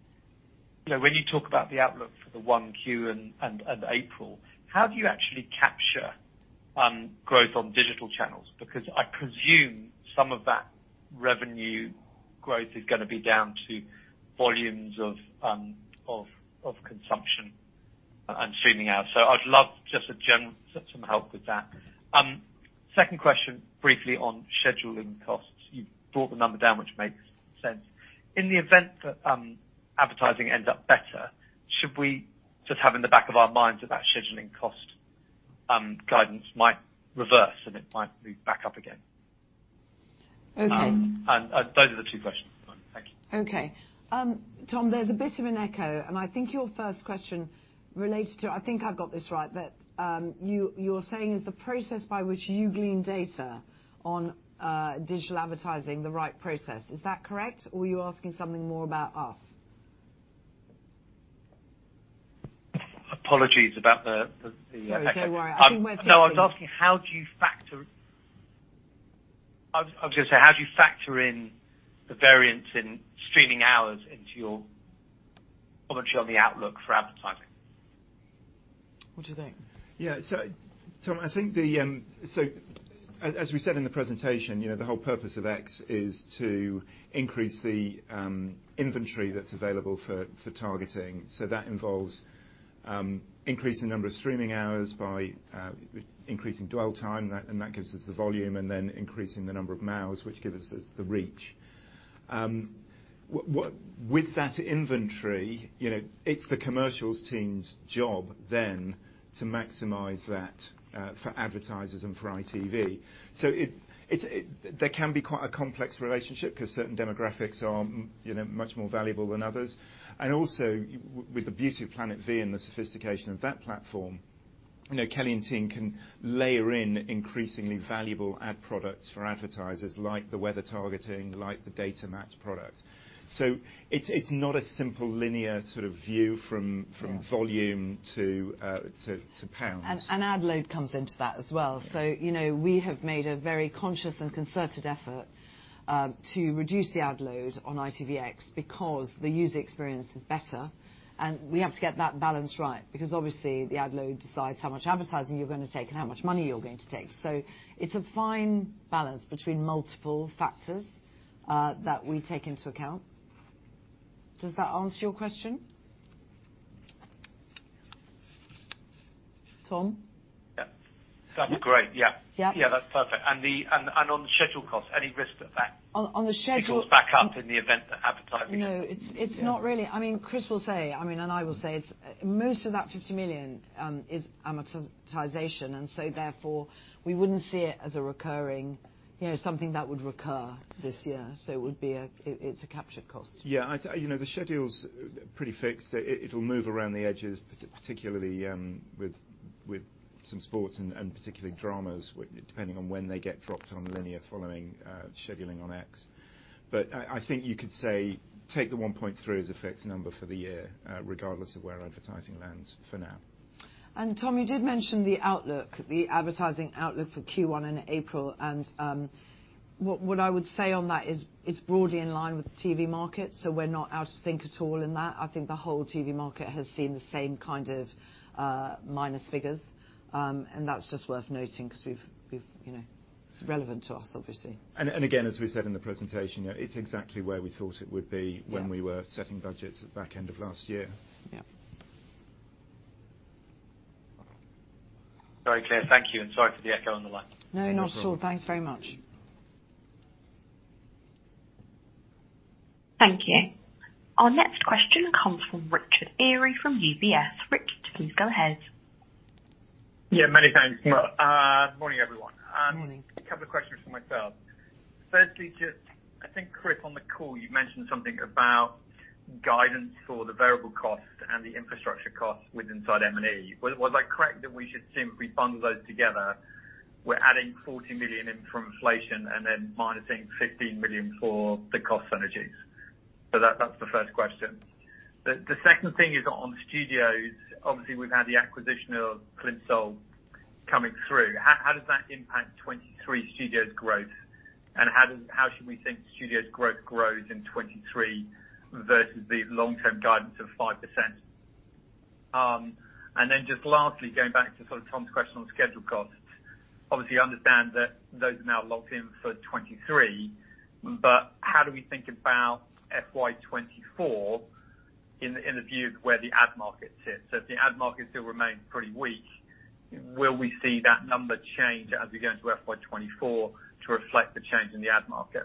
you know, when you talk about the outlook for the 1Q and April, how do you actually capture growth on digital channels? I presume some of that revenue growth is gonna be down to volumes of consumption and streaming hours. I'd love just a general some help with that. Second question, briefly on scheduling costs. You've brought the number down, which makes sense. In the event that advertising ends up better, should we just have in the back of our minds that that scheduling cost guidance might reverse and it might move back up again? Okay. Those are the two questions. Thank you. Okay. Tom, there's a bit of an echo. I think your first question related to, I think I've got this right, that, you're saying is the process by which you glean data on, digital advertising the right process. Is that correct? Are you asking something more about us? Apologies about the echo. Sorry. Don't worry. I think we're fixing. I was gonna say, how do you factor in the variance in streaming hours into your commentary on the outlook for advertising? What do you think? Yeah. Tom, I think the... As we said in the presentation, you know, the whole purpose of ITVX is to increase the inventory that's available for targeting. That involves increasing the number of streaming hours by increasing dwell time. That gives us the volume, then increasing the number of MAU, which gives us the reach. With that inventory, you know, it's the commercials team's job then to maximize that for advertisers and for ITV. There can be quite a complex relationship 'cause certain demographics are, you know, much more valuable than others. Also with the beauty of Planet V and the sophistication of that platform, you know, Kelly and team can layer in increasingly valuable ad products for advertisers like the weather targeting, like the Data Match product. It's not a simple linear sort of view from. Yeah. -volume to pound. Ad load comes into that as well. You know, we have made a very conscious and concerted effort to reduce the ad load on ITVX because the user experience is better, and we have to get that balance right. Obviously, the ad load decides how much advertising you're gonna take and how much money you're going to take. It's a fine balance between multiple factors that we take into account. Does that answer your question? Tom? Yeah. That's great. Yeah. Yeah. Yeah, that's perfect. On the schedule cost, any risk of that? On. It goes back up in the event that advertising... No, it's not really. I mean, Chris will say, I mean, and I will say it's, most of that 50 million is amortization. Therefore, we wouldn't see it as a recurring, you know, something that would recur this year, so it would be a captured cost. Yeah. You know, the schedule's pretty fixed. It'll move around the edges, particularly, with some sports and particularly dramas, depending on when they get dropped on linear following scheduling on ITVX. I think you could say take the 1.3 as a fixed number for the year, regardless of where advertising lands for now. Tom, you did mention the outlook, the advertising outlook for Q1 in April. What I would say on that is it's broadly in line with the TV market, so we're not out of sync at all in that. I think the whole TV market has seen the same kind of minus figures, and that's just worth noting 'cause you know. It's relevant to us, obviously. Again, as we said in the presentation, it's exactly where we thought it would be. Yeah. when we were setting budgets at the back end of last year. Yeah. Very clear. Thank you. Sorry for the echo on the line. No, not at all. No problem. Thanks very much. Thank you. Our next question comes from Richard Eary from UBS. Richard, please go ahead. Yeah, many thanks. Yeah. Morning, everyone. Morning. Couple of questions from myself. Firstly, just, I think, Chris, on the call, you mentioned something about guidance for the variable cost and the infrastructure cost with inside M&E. Was I correct that we should simply bundle those together? We're adding 40 million in from inflation and then minusing 15 million for the cost synergies. That's the first question. The second thing is on Studios. Obviously, we've had the acquisition of Plimsoll coming through. How does that impact 2023 Studios growth, and how should we think Studios growth grows in 2023 versus the long-term guidance of 5%? Just lastly, going back to sort of Tom's question on schedule costs, obviously understand that those are now locked in for 2023, but how do we think about FY 2024 in the view of where the ad market sits? If the ad market still remains pretty weak, will we see that number change as we go into FY 2024 to reflect the change in the ad market?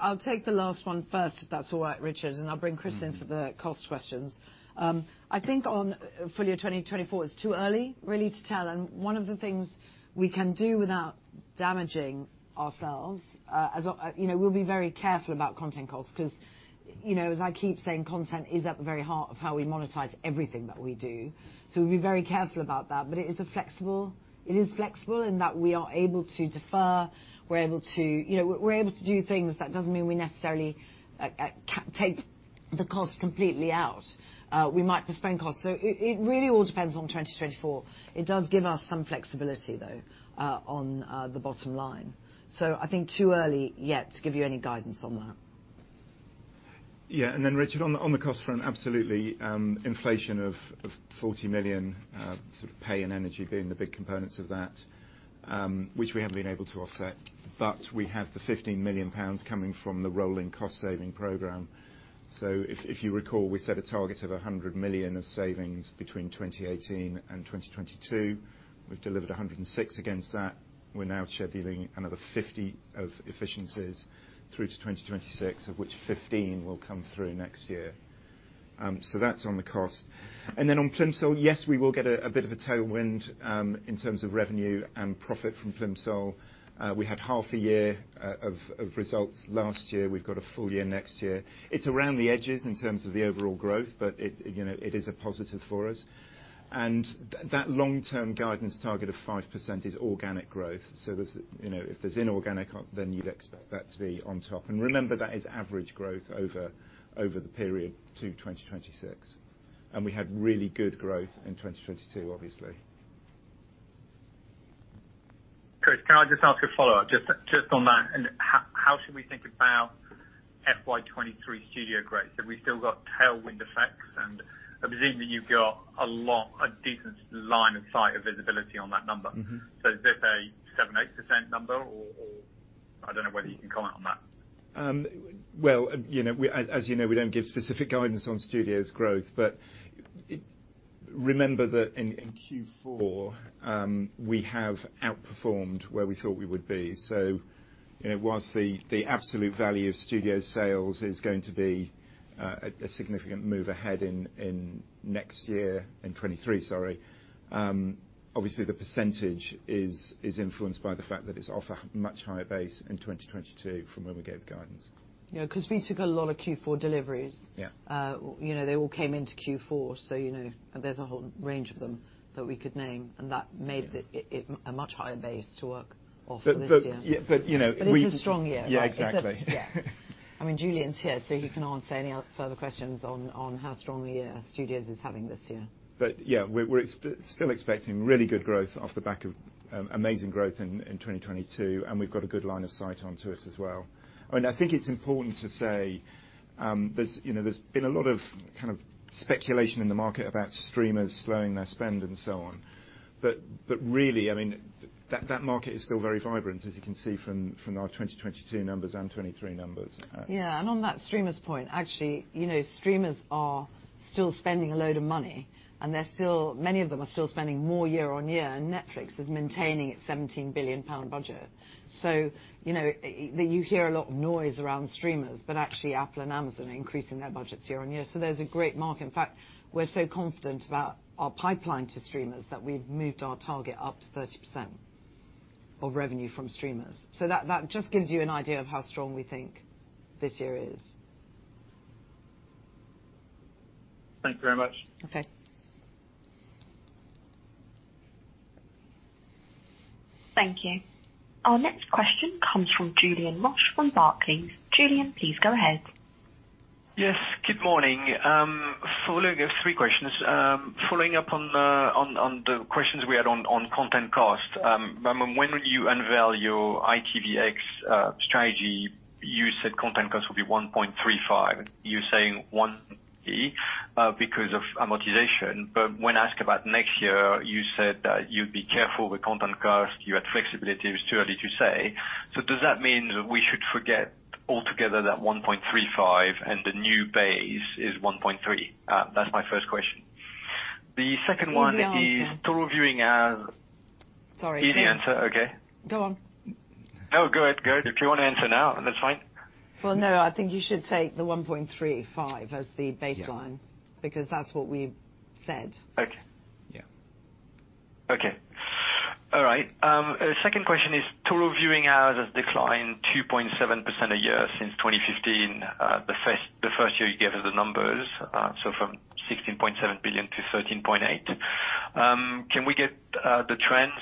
I'll take the last one first if that's all right, Richard, and I'll bring Chris in for the cost questions. I think on full year 2024, it's too early really to tell. One of the things we can do without damaging ourselves, as a. You know, we'll be very careful about content costs 'cause, you know, as I keep saying, content is at the very heart of how we monetize everything that we do. We'll be very careful about that. It is flexible in that we are able to defer, we're able to, you know, we're able to do things. That doesn't mean we necessarily take the cost completely out. We might postpone costs. It really all depends on 2024. It does give us some flexibility, though, on the bottom line. I think too early yet to give you any guidance on that. Yeah. Richard, on the cost front, absolutely, inflation of 40 million, sort of pay and energy being the big components of that, which we haven't been able to offset. We have the 15 million pounds coming from the rolling cost-saving program. If you recall, we set a target of 100 million of savings between 2018 and 2022. We've delivered 106 million against that. We're now scheduling another 50 million of efficiencies through to 2026, of which 15 million will come through next year. That's on the cost. On Plimsoll, yes, we will get a bit of a tailwind, in terms of revenue and profit from Plimsoll. We had half a year of results last year. We've got a full year next year. It's around the edges in terms of the overall growth, but it, you know, it is a positive for us. That long-term guidance target of 5% is organic growth. There's, you know, if there's inorganic, then you'd expect that to be on top. Remember, that is average growth over the period to 2026, and we had really good growth in 2022, obviously. Chris, can I just ask a follow-up just on that? How should we think about FY 2023 studio growth? Have we still got tailwind effects? I presume that you've got a lot, a decent line of sight of visibility on that number. Mm-hmm. Is this a 7%, 8% number or? I don't know whether you can comment on that. Well, you know, As you know, we don't give specific guidance on Studios growth. Remember that in Q4, we have outperformed where we thought we would be. It was the absolute value of Studio sales is going to be a significant move ahead in next year, in 2023, sorry. The percentage is influenced by the fact that it's off a much higher base in 2022 from when we gave the guidance. You know, 'cause we took a lot of Q4 deliveries. Yeah. You know, they all came into Q4, so, you know, there's a whole range of them that we could name, and that made it a much higher base to work off this year. Yeah, but, you know, It's a strong year. Yeah, exactly. Yeah. I mean, Julian's here, so he can answer any other further questions on how strong a year Studios is having this year. Yeah, we're still expecting really good growth off the back of amazing growth in 2022, we've got a good line of sight onto it as well. I mean, I think it's important to say, there's, you know, there's been a lot of kind of speculation in the market about streamers slowing their spend and so on. Really, I mean, that market is still very vibrant, as you can see from our 2022 numbers and 2023 numbers. Yeah. On that streamers point, actually, you know, streamers are still spending a load of money, and many of them are still spending more year-on-year, and Netflix is maintaining its 17 billion pound budget. You know, you hear a lot of noise around streamers, but actually Apple and Amazon are increasing their budgets year-on-year. There's a great market. In fact, we're so confident about our pipeline to streamers that we've moved our target up to 30% of revenue from streamers. That just gives you an idea of how strong we think this year is. Thanks very much. Okay. Thank you. Our next question comes from Julien Roch from Barclays. Julian, please go ahead. Yes, good morning. Following I have three questions. Following up on the questions we had on content cost. When will you unveil your ITVX strategy? You said content cost will be 1.35 billion. You're saying [1 billion] because of amortization. When asked about next year, you said that you'd be careful with content cost. You had flexibility. It was too early to say. Does that mean we should forget altogether that 1.35 billion and the new base is 1.3 billion? That's my first question. The second one is. Easy answer. total viewing. Sorry. Easy answer. Okay. Go on. No, go ahead, go ahead. If you wanna answer now, that's fine. Well, no, I think you should take the 1.35 billion as the baseline. Yeah because that's what we said. Okay. Yeah. Okay. All right. Second question is total viewing hours have declined 2.7% a year since 2015, the first year you gave us the numbers, so from 16.7 billion to 13.8 billion. Can we get the trends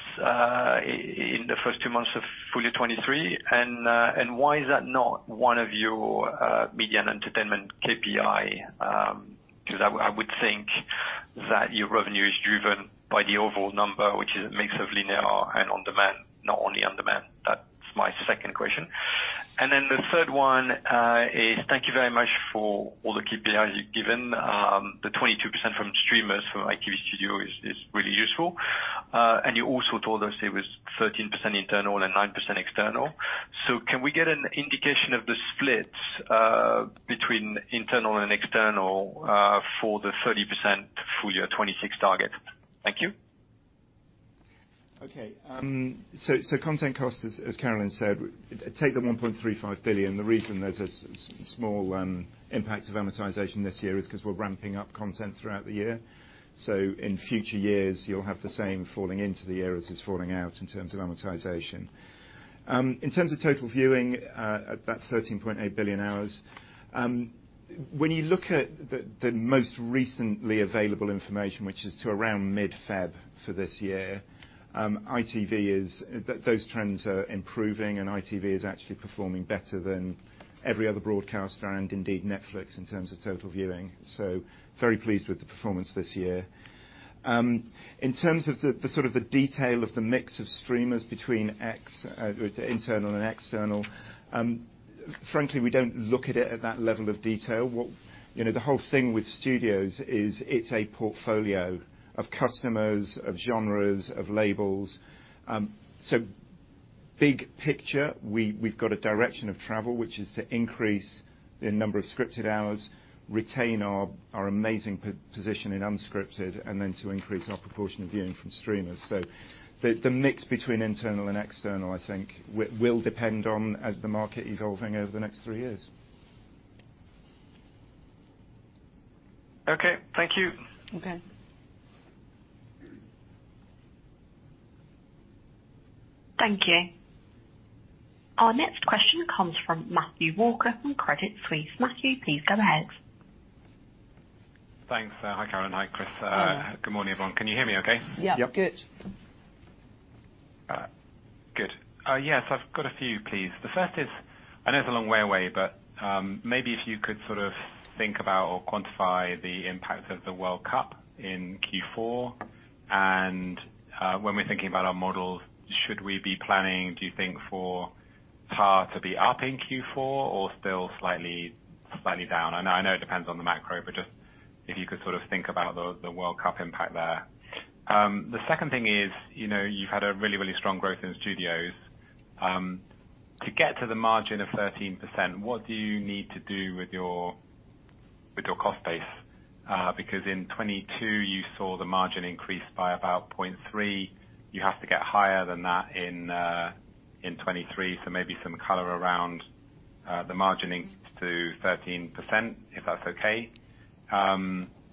in the first two months of full year 2023, and why is that not one of your media and entertainment KPI? 'Cause I would think that your revenue is driven by the overall number, which is a mix of linear and on-demand, not only on-demand. That's my second question. The third one is thank you very much for all the KPIs you've given. The 22% from streamers from ITV Studios is really useful. You also told us it was 13% internal and 9% external. Can we get an indication of the split, between internal and external, for the 30% full year 2026 target? Thank you. Okay. So content cost, as Carolyn said, take the 1.35 billion. The reason there's a small impact of amortization this year is 'cause we're ramping up content throughout the year. In future years, you'll have the same falling into the year as is falling out in terms of amortization. In terms of total viewing, at that 13.8 billion hours, when you look at the most recently available information, which is to around mid-February for this year, ITV is. Those trends are improving, and ITV is actually performing better than every other broadcaster and indeed Netflix in terms of total viewing. Very pleased with the performance this year. In terms of the sort of the detail of the mix of streamers between X, internal and external, frankly, we don't look at it at that level of detail. You know, the whole thing with Studios is it's a portfolio of customers, of genres, of labels. Big picture, we've got a direction of travel, which is to increase the number of scripted hours, retain our amazing position in unscripted, and then to increase our proportion of viewing from streamers. The, the mix between internal and external, I think, will depend on as the market evolving over the next three years. Okay. Thank you. Okay. Thank you. Our next question comes from Matthew Walker from Credit Suisse. Matthew, please go ahead. Thanks. Hi, Carolyn. Hi, Chris. Yeah. Good morning, everyone. Can you hear me okay? Yeah. Yep. Good. All right. Good. Yes, I've got a few, please. The first is, I know it's a long way away, but maybe if you could sort of think about or quantify the impact of the World Cup in Q4. When we're thinking about our models, should we be planning, do you think, for TAR to be up in Q4 or still slightly down? I know, I know it depends on the macro, but just if you could sort of think about the World Cup impact there. The second thing is, you know, you've had a really, really strong growth in ITV Studios. To get to the margin of 13%, what do you need to do with your cost base? Because in 2022 you saw the margin increase by about 0.3. You have to get higher than that in 2023, so maybe some color around the margin to 13%, if that's okay.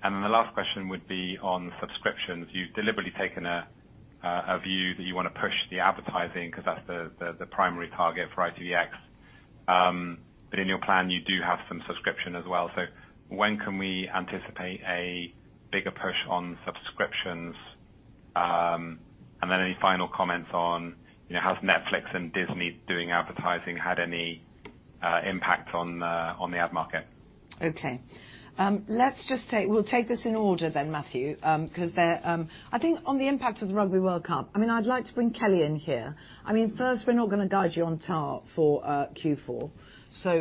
The last question would be on subscriptions. You've deliberately taken a view that you wanna push the advertising, 'cause that's the primary target for ITVX. In your plan you do have some subscription as well. When can we anticipate a bigger push on subscriptions? Any final comments on, you know, has Netflix and Disney doing advertising had any impact on the ad market? Okay. let's just take We'll take this in order then, Matthew, 'cause they're, I think on the impact of the Rugby World Cup, I mean, I'd like to bring Kelly in here. I mean, first, we're not gonna guide you on TAR for Q4.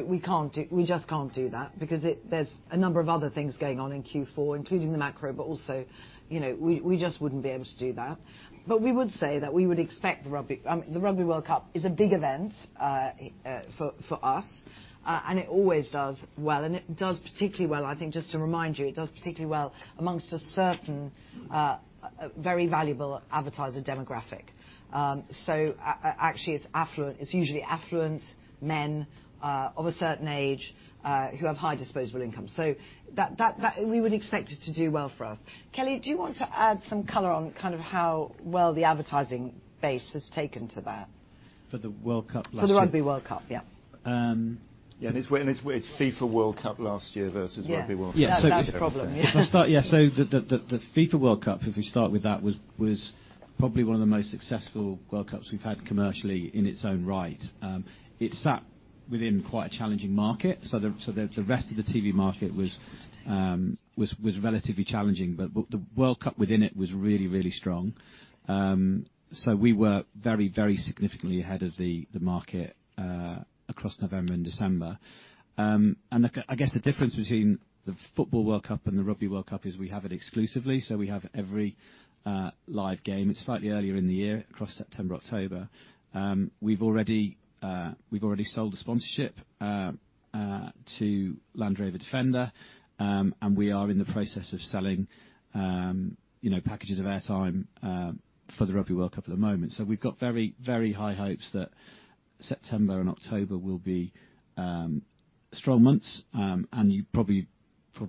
We can't do We just can't do that because there's a number of other things going on in Q4, including the macro, but also, you know, we just wouldn't be able to do that. We would say that we would expect the Rugby, the Rugby World Cup is a big event for us, and it always does well, and it does particularly well. I think just to remind you, it does particularly well amongst a certain very valuable advertiser demographic. Actually, it's affluent. It's usually affluent men of a certain age who have high disposable income. That We would expect it to do well for us. Kelly, do you want to add some color on kind of how well the advertising base has taken to that? For the World Cup last year? For the Rugby World Cup, yeah. Um- Yeah, it's FIFA World Cup last year versus Rugby World Cup. Yeah. That's the problem. Yeah. The FIFA World Cup, if we start with that, was probably one of the most successful World Cups we've had commercially in its own right. It sat within quite a challenging market. The rest of the TV market was relatively challenging. The World Cup within it was really strong. We were very significantly ahead of the market across November and December. I guess the difference between the football World Cup and the Rugby World Cup is we have it exclusively, we have every live game. It's slightly earlier in the year, across September, October. We've already sold a sponsorship to Land Rover Defender, and we are in the process of selling, you know, packages of airtime for the Rugby World Cup at the moment. We've got very high hopes that September and October will be strong months, and you probably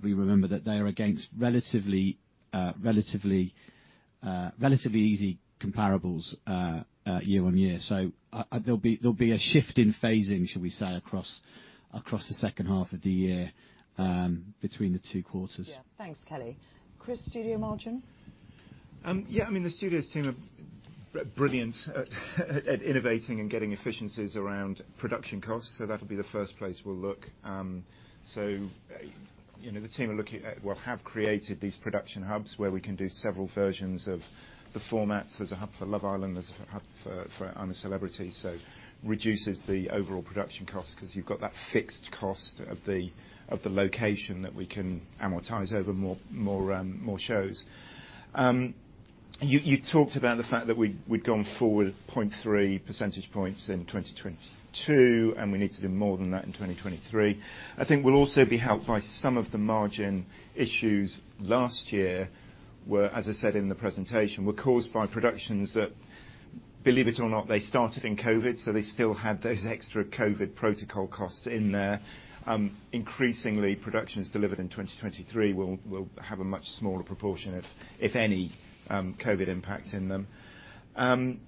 remember that they are against relatively easy comparables year-on-year. There'll be a shift in phasing, shall we say, across the second half of the year, between the two quarters. Yeah. Thanks, Kelly. Chris, studio margin? Yeah. I mean, the Studios team are brilliant at innovating and getting efficiencies around production costs, so that'll be the first place we'll look. You know, the team are looking at, well, have created these production hubs where we can do several versions of the formats. There's a hub for Love Island. There's a hub for I'm a Celebrity, so reduces the overall production cost, 'cause you've got that fixed cost of the, of the location that we can amortize over more, more shows. You talked about the fact that we'd gone forward 0.3 percentage points in 2022. We need to do more than that in 2023. I think we'll also be helped by some of the margin issues last year, where, as I said in the presentation, were caused by productions that, believe it or not, they started in COVID, so they still had those extra COVID protocol costs in there. Increasingly, productions delivered in 2023 will have a much smaller proportion, if any, COVID impact in them.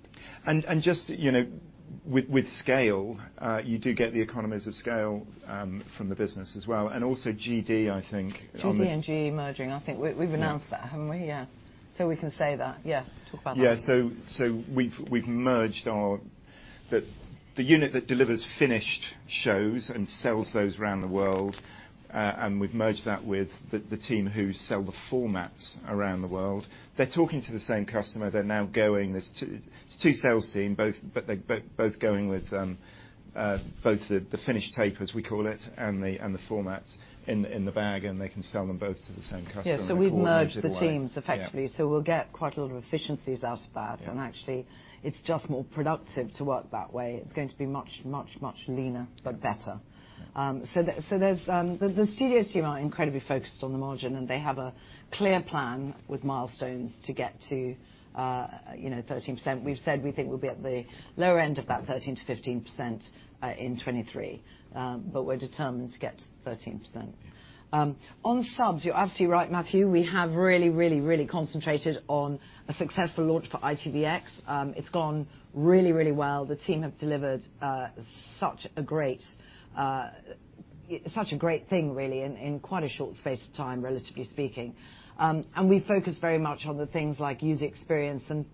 Just, you know, with scale, you do get the economies of scale, from the business as well. Also GD, I think, on the. GD and G merging. I think we've announced that, haven't we? Yeah. we can say that, yeah. Talk about that. Yeah. We've merged our unit that delivers finished shows and sells those around the world, and we've merged that with the team who sell the formats around the world. They're talking to the same customer. They're now going, there's two sales team both, but they're both going with both the finished tape, as we call it, and the formats in the bag, and they can sell them both to the same customer. Yeah. We've merged the teams effectively. Yeah. We'll get quite a lot of efficiencies out of that. Yeah. Actually, it's just more productive to work that way. It's going to be much, much, much leaner, but better. There's the studios team are incredibly focused on the margin, and they have a clear plan with milestones to get to, you know, 13%. We've said we think we'll be at the lower end of that 13%-15%, in 2023. We're determined to get to 13%. On subs, you're absolutely right, Matthew. We have really, really, really concentrated on a successful launch for ITVX. It's gone really, really well. The team have delivered such a great thing really in quite a short space of time, relatively speaking. We focus very much on the things like user experience and,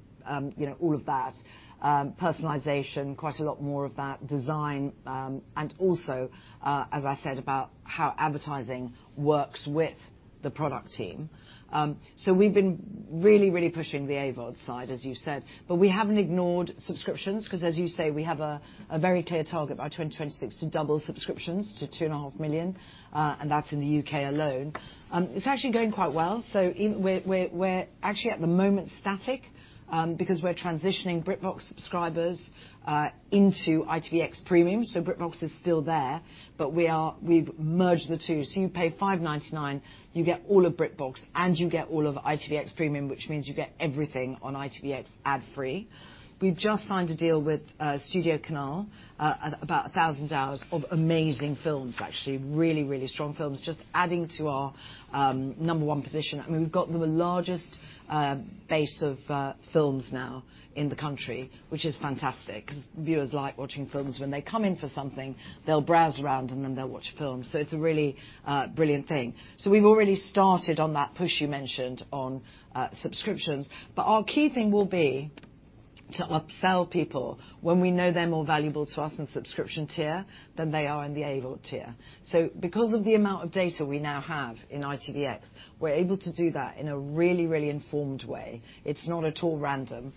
you know, all of that. Personalization, quite a lot more of that design, and also, as I said, about how advertising works with the product team. We've been really pushing the AVOD side, as you said, but we haven't ignored subscriptions, 'cause as you say, we have a very clear target by 2026 to double subscriptions to 2.5 million, and that's in the U.K. alone. It's actually going quite well. We're actually at the moment static, because we're transitioning BritBox subscribers into ITVX Premium. BritBox is still there, but we've merged the two. You pay 5.99, you get all of BritBox, and you get all of ITVX Premium, which means you get everything on ITVX ad free. We've just signed a deal with StudioCanal about 1,000 hours of amazing films, actually, really, really strong films, just adding to our number one position. I mean, we've got the largest base of films now in the country, which is fantastic because viewers like watching films. When they come in for something, they'll browse around and then they'll watch a film. It's a really brilliant thing. We've already started on that push you mentioned on subscriptions. Our key thing will be to upsell people when we know they're more valuable to us in subscription tier than they are in the AVOD tier. Because of the amount of data we now have in ITVX, we're able to do that in a really, really informed way. It's not at all random.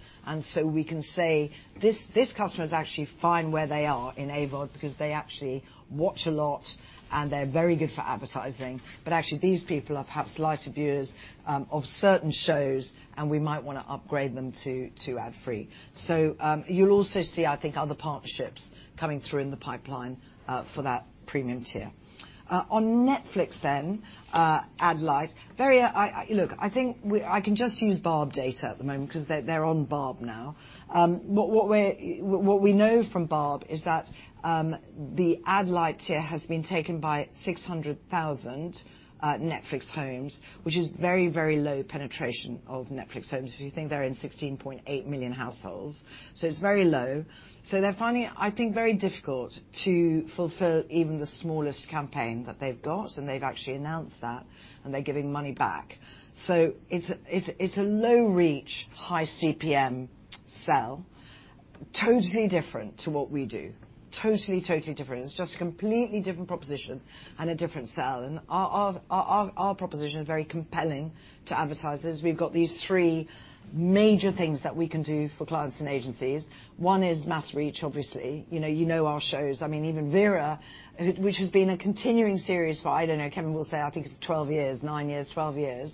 We can say, "This customer is actually fine where they are in AVOD because they actually watch a lot and they're very good for advertising. These people are perhaps lighter viewers of certain shows, and we might wanna upgrade them to ad free." You'll also see, I think, other partnerships coming through in the pipeline for that premium tier. On Netflix, ad light, very, I can just use Barb data at the moment 'cause they're on Barb now. What we know from Barb is that the ad light tier has been taken by 600,000 Netflix homes, which is very, very low penetration of Netflix homes, if you think they're in 16.8 million households, so it's very low. They're finding, I think, very difficult to fulfill even the smallest campaign that they've got, and they've actually announced that, and they're giving money back. It's a low reach, high CPM sell, totally different to what we do. Totally different. It's just a completely different proposition and a different sell. Our proposition is very compelling to advertisers. We've got these three major things that we can do for clients and agencies. One is mass reach, obviously. You know, you know our shows. I mean, even Vera, which has been a continuing series for, I don't know, Kevin will say, I think it's 12 years, nine years, 12 years,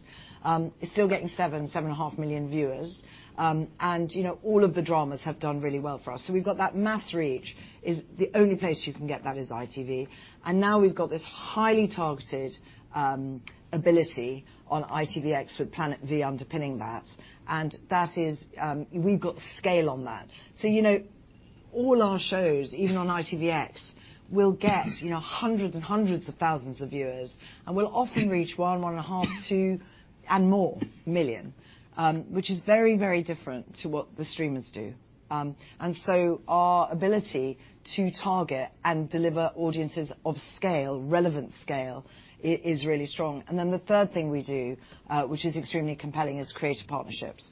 is still getting 7.5 million viewers. You know, all of the dramas have done really well for us. We've got that mass reach is the only place you can get that is ITV. Now we've got this highly targeted ability on ITVX with Planet V underpinning that. That is, we've got scale on that. You know, all our shows, even on ITVX, will get, you know, hundreds and hundreds of thousands of viewers, and we'll often reach 1.5, 2, and more million, which is very, very different to what the streamers do. Our ability to target and deliver audiences of scale, relevant scale, is really strong. Then the third thing we do, which is extremely compelling, is creative partnerships.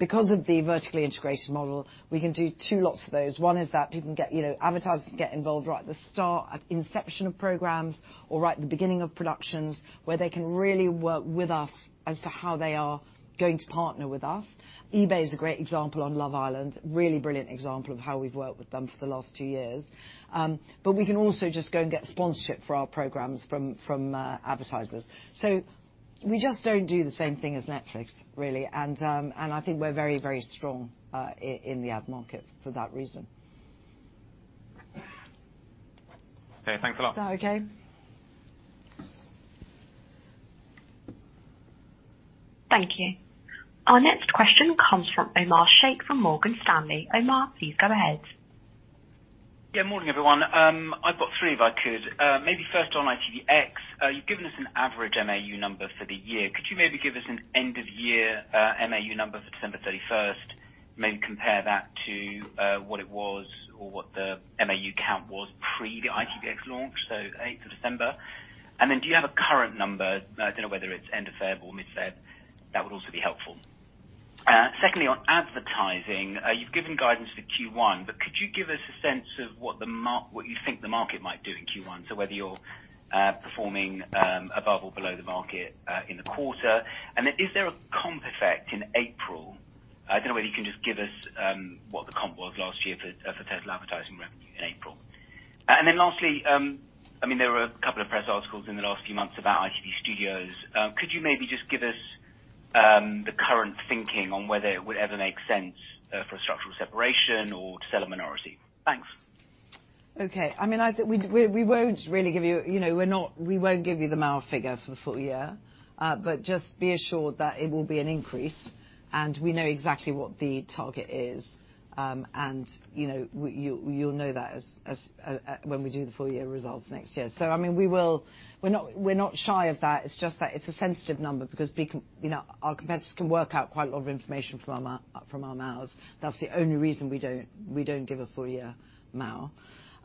Because of the vertically integrated model, we can do two lots of those. One is that people can get, you know, advertisers can get involved right at the start, at inception of programs or right at the beginning of productions, where they can really work with us as to how they are going to partner with us. eBay is a great example on Love Island. Really brilliant example of how we've worked with them for the last two years. But we can also just go and get sponsorship for our programs from advertisers. We just don't do the same thing as Netflix, really. I think we're very, very strong in the ad market for that reason. Okay, thanks a lot. Is that okay? Thank you. Our next question comes from Omar Sheikh from Morgan Stanley. Omar, please go ahead. Yeah, Morning, everyone. I've got three, if I could. Maybe first on ITVX. You've given us an average MAU number for the year. Could you maybe give us an end of year MAU number for December 31st? Maybe compare that to what it was or what the MAU count was pre the ITVX launch, so 8th of December. Then do you have a current number? I don't know whether it's end of February or mid-February. That would also be helpful. Secondly, on advertising, you've given guidance for Q1, could you give us a sense of what you think the market might do in Q1? Whether you're performing above or below the market in the quarter. Then is there a comp effect in April? I don't know whether you can just give us what the comp was last year for total advertising revenue in April. Lastly, I mean, there were two press articles in the last few months about ITV Studios. Could you maybe just give us the current thinking on whether it would ever make sense for a structural separation or to sell a minority? Thanks. Okay. I mean, we won't really give you. You know, we won't give you the MAU figure for the full year, but just be assured that it will be an increase and we know exactly what the target is. You know, you'll know that as when we do the full year results next year. I mean, we will. We're not, we're not shy of that. It's just that it's a sensitive number because we can, you know, our competitors can work out quite a lot of information from our MAUs. That's the only reason we don't, we don't give a full year MAU.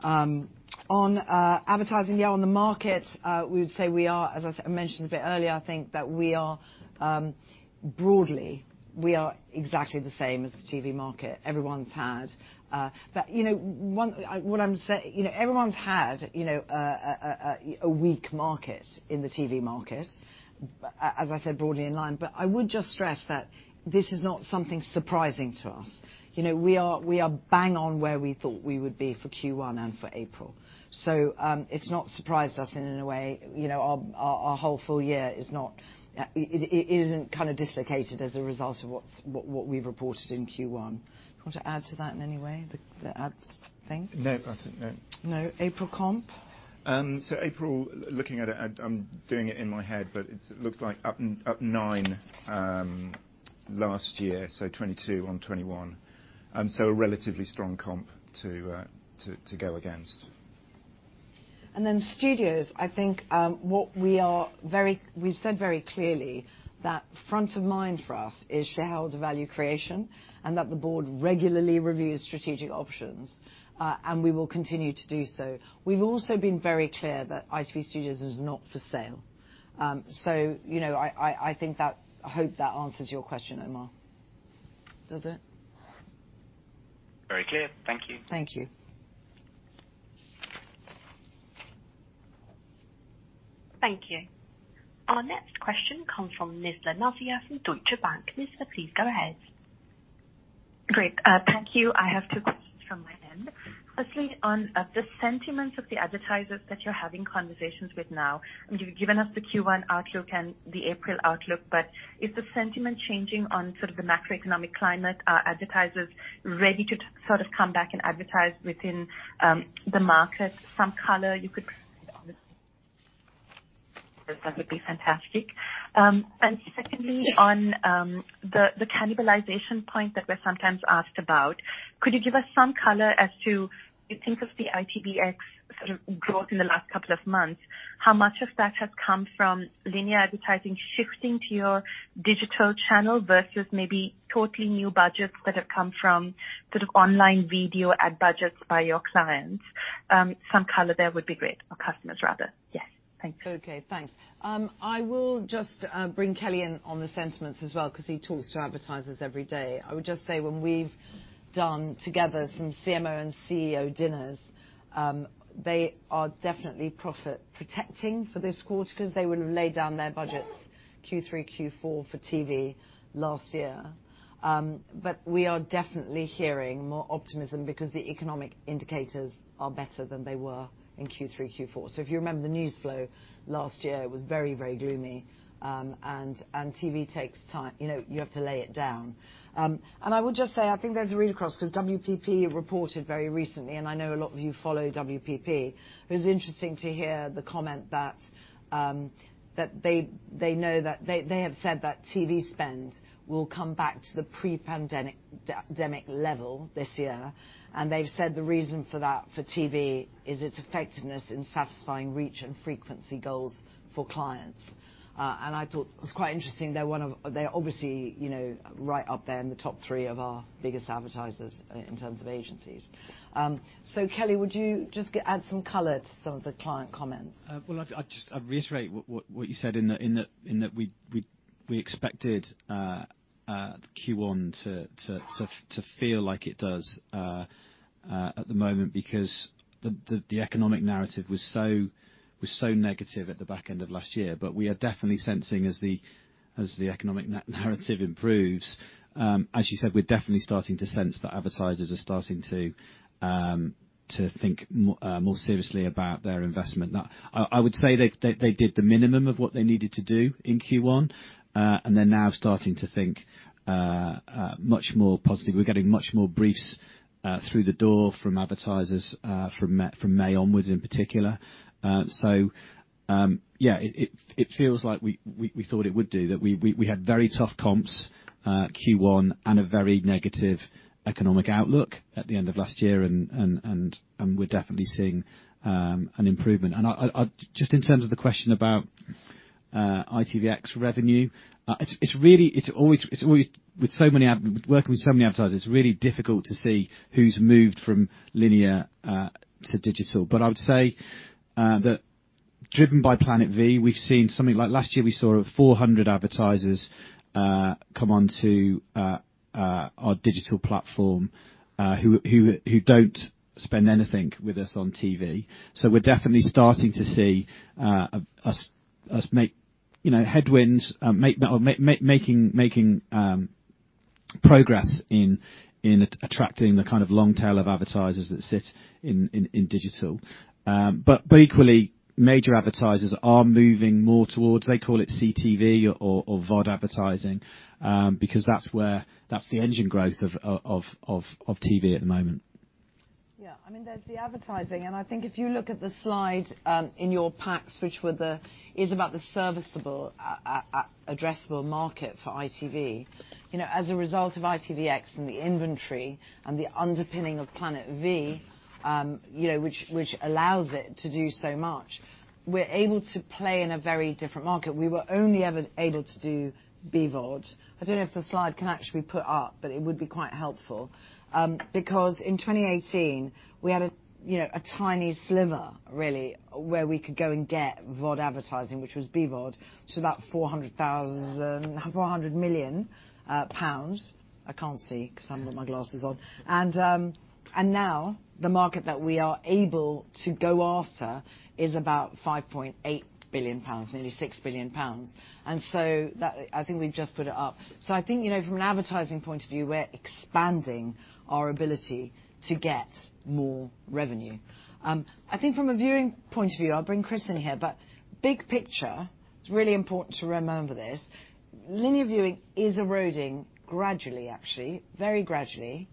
On advertising, on the markets, we would say we are, as I mentioned a bit earlier, I think that we are broadly, we are exactly the same as the TV market. Everyone's had a weak market in the TV market, as I said, broadly in line. I would just stress that this is not something surprising to us. You know, we are bang on where we thought we would be for Q1 and for April. It's not surprised us in a way, you know, our whole full year is not, it isn't kind of dislocated as a result of what we've reported in Q1. Do you want to add to that in any way, the ads thing? No, I think. No. No. April comp? April, looking at it, I'm doing it in my head, but it looks like up 9%, last year, so 2022 on 2021. A relatively strong comp to go against. Studios, I think, we've said very clearly that front of mind for us is shareholder value creation, and that the board regularly reviews strategic options, and we will continue to do so. We've also been very clear that ITV Studios is not for sale. You know, I think that, I hope that answers your question, Omar. Does it? Very clear. Thank you. Thank you. Thank you. Our next question comes from Nizla Naizer from Deutsche Bank. Nizla, please go ahead. Great. Thank you. I have two questions from my end. Firstly, on the sentiments of the advertisers that you're having conversations with now. I mean, you've given us the Q1 outlook and the April outlook, but is the sentiment changing on sort of the macroeconomic climate, are advertisers ready to sort of come back and advertise within the market? Some color you could provide on this, that would be fantastic. Secondly, on the cannibalization point that we're sometimes asked about, could you give us some color as to, you think of the ITVX sort of growth in the last couple of months, how much of that has come from linear advertising shifting to your digital channel versus maybe totally new budgets that have come from sort of online video ad budgets by your clients? Some color there would be great. Customers, rather. Yes. Thanks. Okay, thanks. I will just bring Kelly in on the sentiments as well because he talks to advertisers every day. I would just say when we've done together some CMO and CEO dinners, they are definitely profit protecting for this quarter because they would have laid down their budgets Q3, Q4 for TV last year. We are definitely hearing more optimism because the economic indicators are better than they were in Q3, Q4. If you remember the news flow last year, it was very, very gloomy, and TV takes time. You know, you have to lay it down. I would just say, I think there's a read-across because WPP reported very recently, and I know a lot of you follow WPP. It was interesting to hear the comment that they have said that TV spend will come back to the pre-pandemic level this year. They've said the reason for that for TV is its effectiveness in satisfying reach and frequency goals for clients. I thought it was quite interesting. They're obviously, you know, right up there in the top three of our biggest advertisers in terms of agencies. Kelly, would you just add some color to some of the client comments? Well, I'd just reiterate what you said in that we expected Q1 to feel like it does at the moment because the economic narrative was so negative at the back end of last year. We are definitely sensing as the economic narrative improves, as you said, we're definitely starting to sense that advertisers are starting to think more seriously about their investment. Now, I would say they did the minimum of what they needed to do in Q1, and they're now starting to think much more positive. We're getting much more briefs through the door from advertisers from May onwards in particular. Yeah, it feels like we thought it would do, that we had very tough comps Q1 and a very negative economic outlook at the end of last year and we're definitely seeing an improvement. I. Just in terms of the question about ITVX revenue, it's really, it's always, with so many working with so many advertisers, it's really difficult to see who's moved from linear to digital. I would say that driven by Planet V, we've seen something like last year we saw 400 advertisers come onto our digital platform who don't spend anything with us on TV. We're definitely starting to see us make, you know, headwinds, making progress in attracting the kind of long tail of advertisers that sit in digital. Equally, major advertisers are moving more towards, they call it CTV or VOD advertising, because that's where, that's the engine growth of TV at the moment. Yeah. I mean, there's the advertising. I think if you look at the slide in your packs, which is about the serviceable addressable market for ITV. You know, as a result of ITVX and the inventory and the underpinning of Planet V, you know, which allows it to do so much, we're able to play in a very different market. We were only ever able to do BVOD. I don't know if the slide can actually be put up. It would be quite helpful. In 2018 we had a, you know, a tiny sliver really, where we could go and get VOD advertising, which was BVOD, which is about 400 million pounds. I can't see 'cause I haven't got my glasses on. Now the market that we are able to go after is about 5.8 billion pounds, nearly 6 billion pounds. I think we've just put it up. I think, you know, from an advertising point of view, we're expanding our ability to get more revenue. I think from a viewing point of view, I'll bring Chris in here, but big picture, it's really important to remember this, linear viewing is eroding gradually, actually. Very gradually.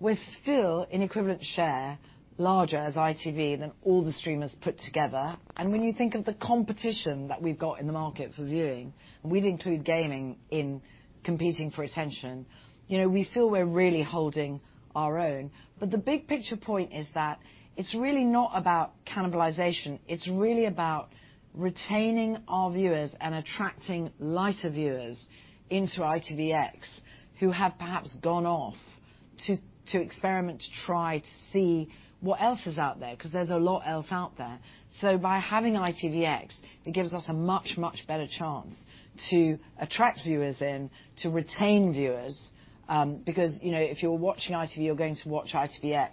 We're still in equivalent share larger as ITV than all the streamers put together. When you think of the competition that we've got in the market for viewing, and we'd include gaming in competing for attention, you know, we feel we're really holding our own. The big picture point is that it's really not about cannibalization, it's really about retaining our viewers and attracting lighter viewers into ITVX who have perhaps gone off to experiment, to try to see what else is out there, 'cause there's a lot else out there. By having ITVX, it gives us a much better chance to attract viewers in, to retain viewers, because, you know, if you're watching ITV, you're going to watch ITVX.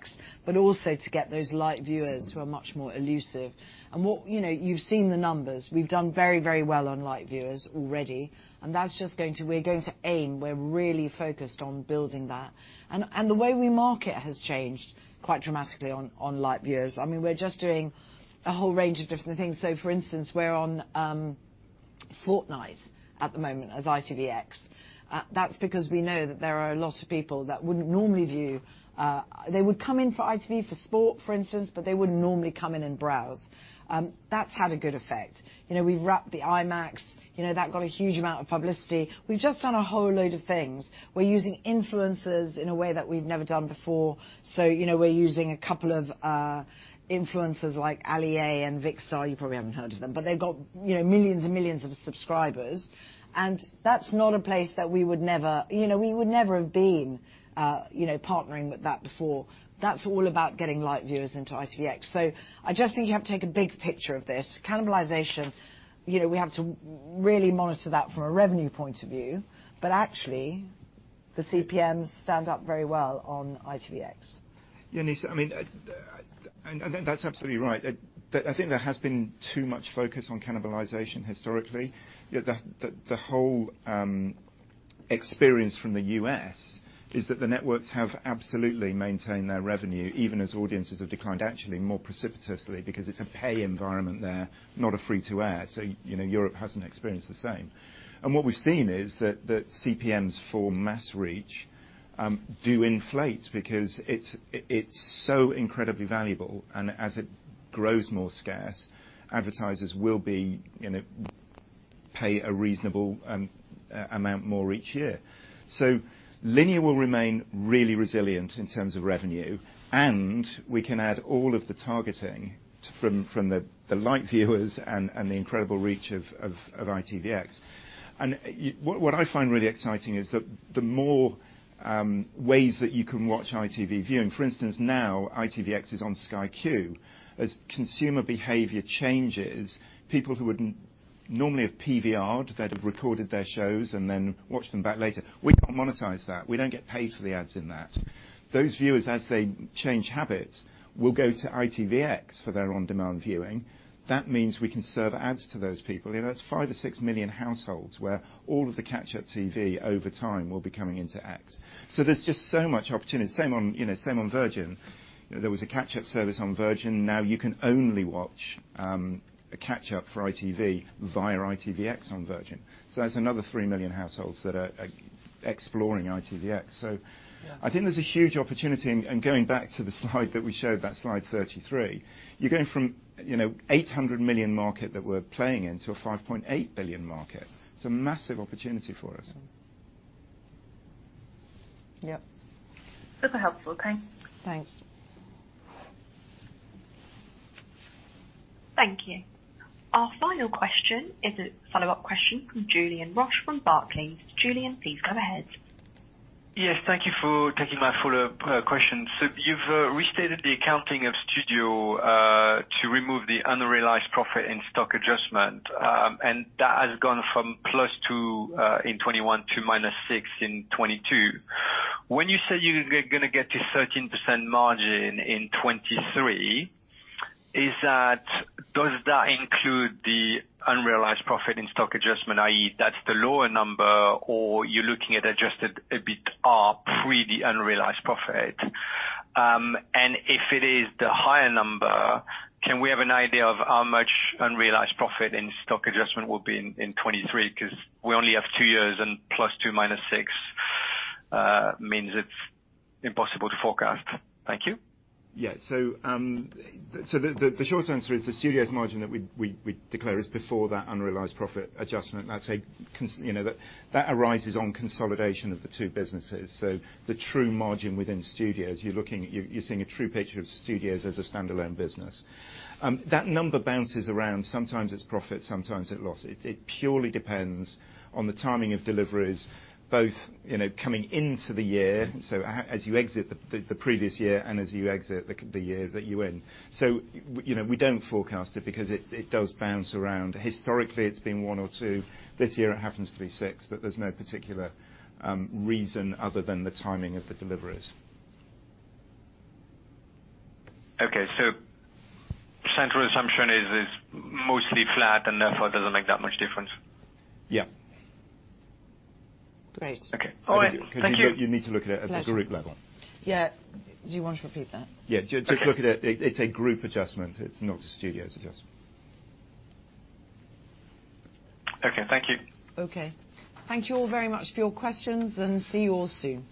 Also to get those light viewers who are much more elusive. What... You know, you've seen the numbers. We've done very, very well on light viewers already, and that's just going to aim. We're really focused on building that. The way we market has changed quite dramatically on light viewers. I mean, we're just doing a whole range of different things. For instance, we're on Fortnite at the moment as ITVX. That's because we know that there are a lot of people that wouldn't normally view. They would come in for ITV for sport, for instance, but they wouldn't normally come in and browse. That's had a good effect. You know, we've wrapped the IMAX. You know, that got a huge amount of publicity. We've just done a whole load of things. We're using influencers in a way that we've never done before. You know, we're using a couple of influencers like Ali-A and Vikkstar. You probably haven't heard of them, but they've got, you know, millions and millions of subscribers, and that's not a place that we would never. You know, we would never have been, partnering with that before. That's all about getting light viewers into ITVX. I just think you have to take a big picture of this. Cannibalization, you know, we have to really monitor that from a revenue point of view. Actually the CPMs stand up very well on ITVX. Nizla, I mean, I That's absolutely right. I think there has been too much focus on cannibalization historically. The whole experience from the U.S. is that the networks have absolutely maintained their revenue, even as audiences have declined, actually more precipitously because it's a pay environment there, not a free to air. You know, Europe hasn't experienced the same. What we've seen is that CPMs for mass reach do inflate because it's so incredibly valuable, and as it grows more scarce, advertisers will be, you know, pay a reasonable amount more each year. Linear will remain really resilient in terms of revenue, and we can add all of the targeting from the light viewers and the incredible reach of ITVX. What I find really exciting is that the more ways that you can watch ITV viewing, for instance, now ITVX is on Sky Q. As consumer behavior changes, people who wouldn't normally have PVR, they'd have recorded their shows and then watched them back later. We can't monetize that. We don't get paid for the ads in that. Those viewers, as they change habits, will go to ITVX for their on-demand viewing. That means we can serve ads to those people. You know, that's 5 million-6 million households where all of the catch-up TV over time will be coming into X. There's just so much opportunity. Same on, you know, same on Virgin. There was a catch-up service on Virgin. Now you can only watch a catch up for ITV via ITVX on Virgin. That's another 3 million households that are exploring ITVX. Yeah. I think there's a huge opportunity, and going back to the slide that we showed, that slide 33, you're going from, you know, a 800 million market that we're playing in to a 5.8 billion market. It's a massive opportunity for us. Mm-hmm. Yep. Those are helpful. Thanks. Thanks. Thank you. Our final question is a follow-up question from Julien Roch from Barclays. Julien, please go ahead. Yes, thank you for taking my follow-up question. You've restated the accounting of Studio to remove the unrealized profit and stock adjustment. That has gone from +2 in 2021 to -6 in 2022. When you say you gonna get to 13% margin in 2023, is that? Does that include the unrealized profit and stock adjustment, i.e., that's the lower number, or you're looking at Adjusted EBITDA pre the unrealized profit? If it is the higher number, can we have an idea of how much unrealized profit and stock adjustment will be in 2023? 'Cause we only have two years, and +2, -6 means it's impossible to forecast. Thank you. Yeah. The short answer is the Studios margin that we declare is before that unrealized profit adjustment. You know, that arises on consolidation of the two businesses. The true margin within Studios, you're seeing a true picture of Studios as a standalone business. That number bounces around. Sometimes it's profit, sometimes it loss. It purely depends on the timing of deliveries both, you know, coming into the year. As you exit the previous year and as you exit the year that you're in. You know, we don't forecast it because it does bounce around. Historically, it's been one or two. This year it happens to be six, but there's no particular reason other than the timing of the deliveries. Okay. central assumption is mostly flat and therefore doesn't make that much difference. Yeah. Great. Okay. All right. Thank you. You need to look at it at the group level. Pleasure. Yeah. Do you want to repeat that? Yeah. Just look at it. It's a group adjustment. It's not a studios adjustment. Okay. Thank you. Okay. Thank you all very much for your questions, and see you all soon.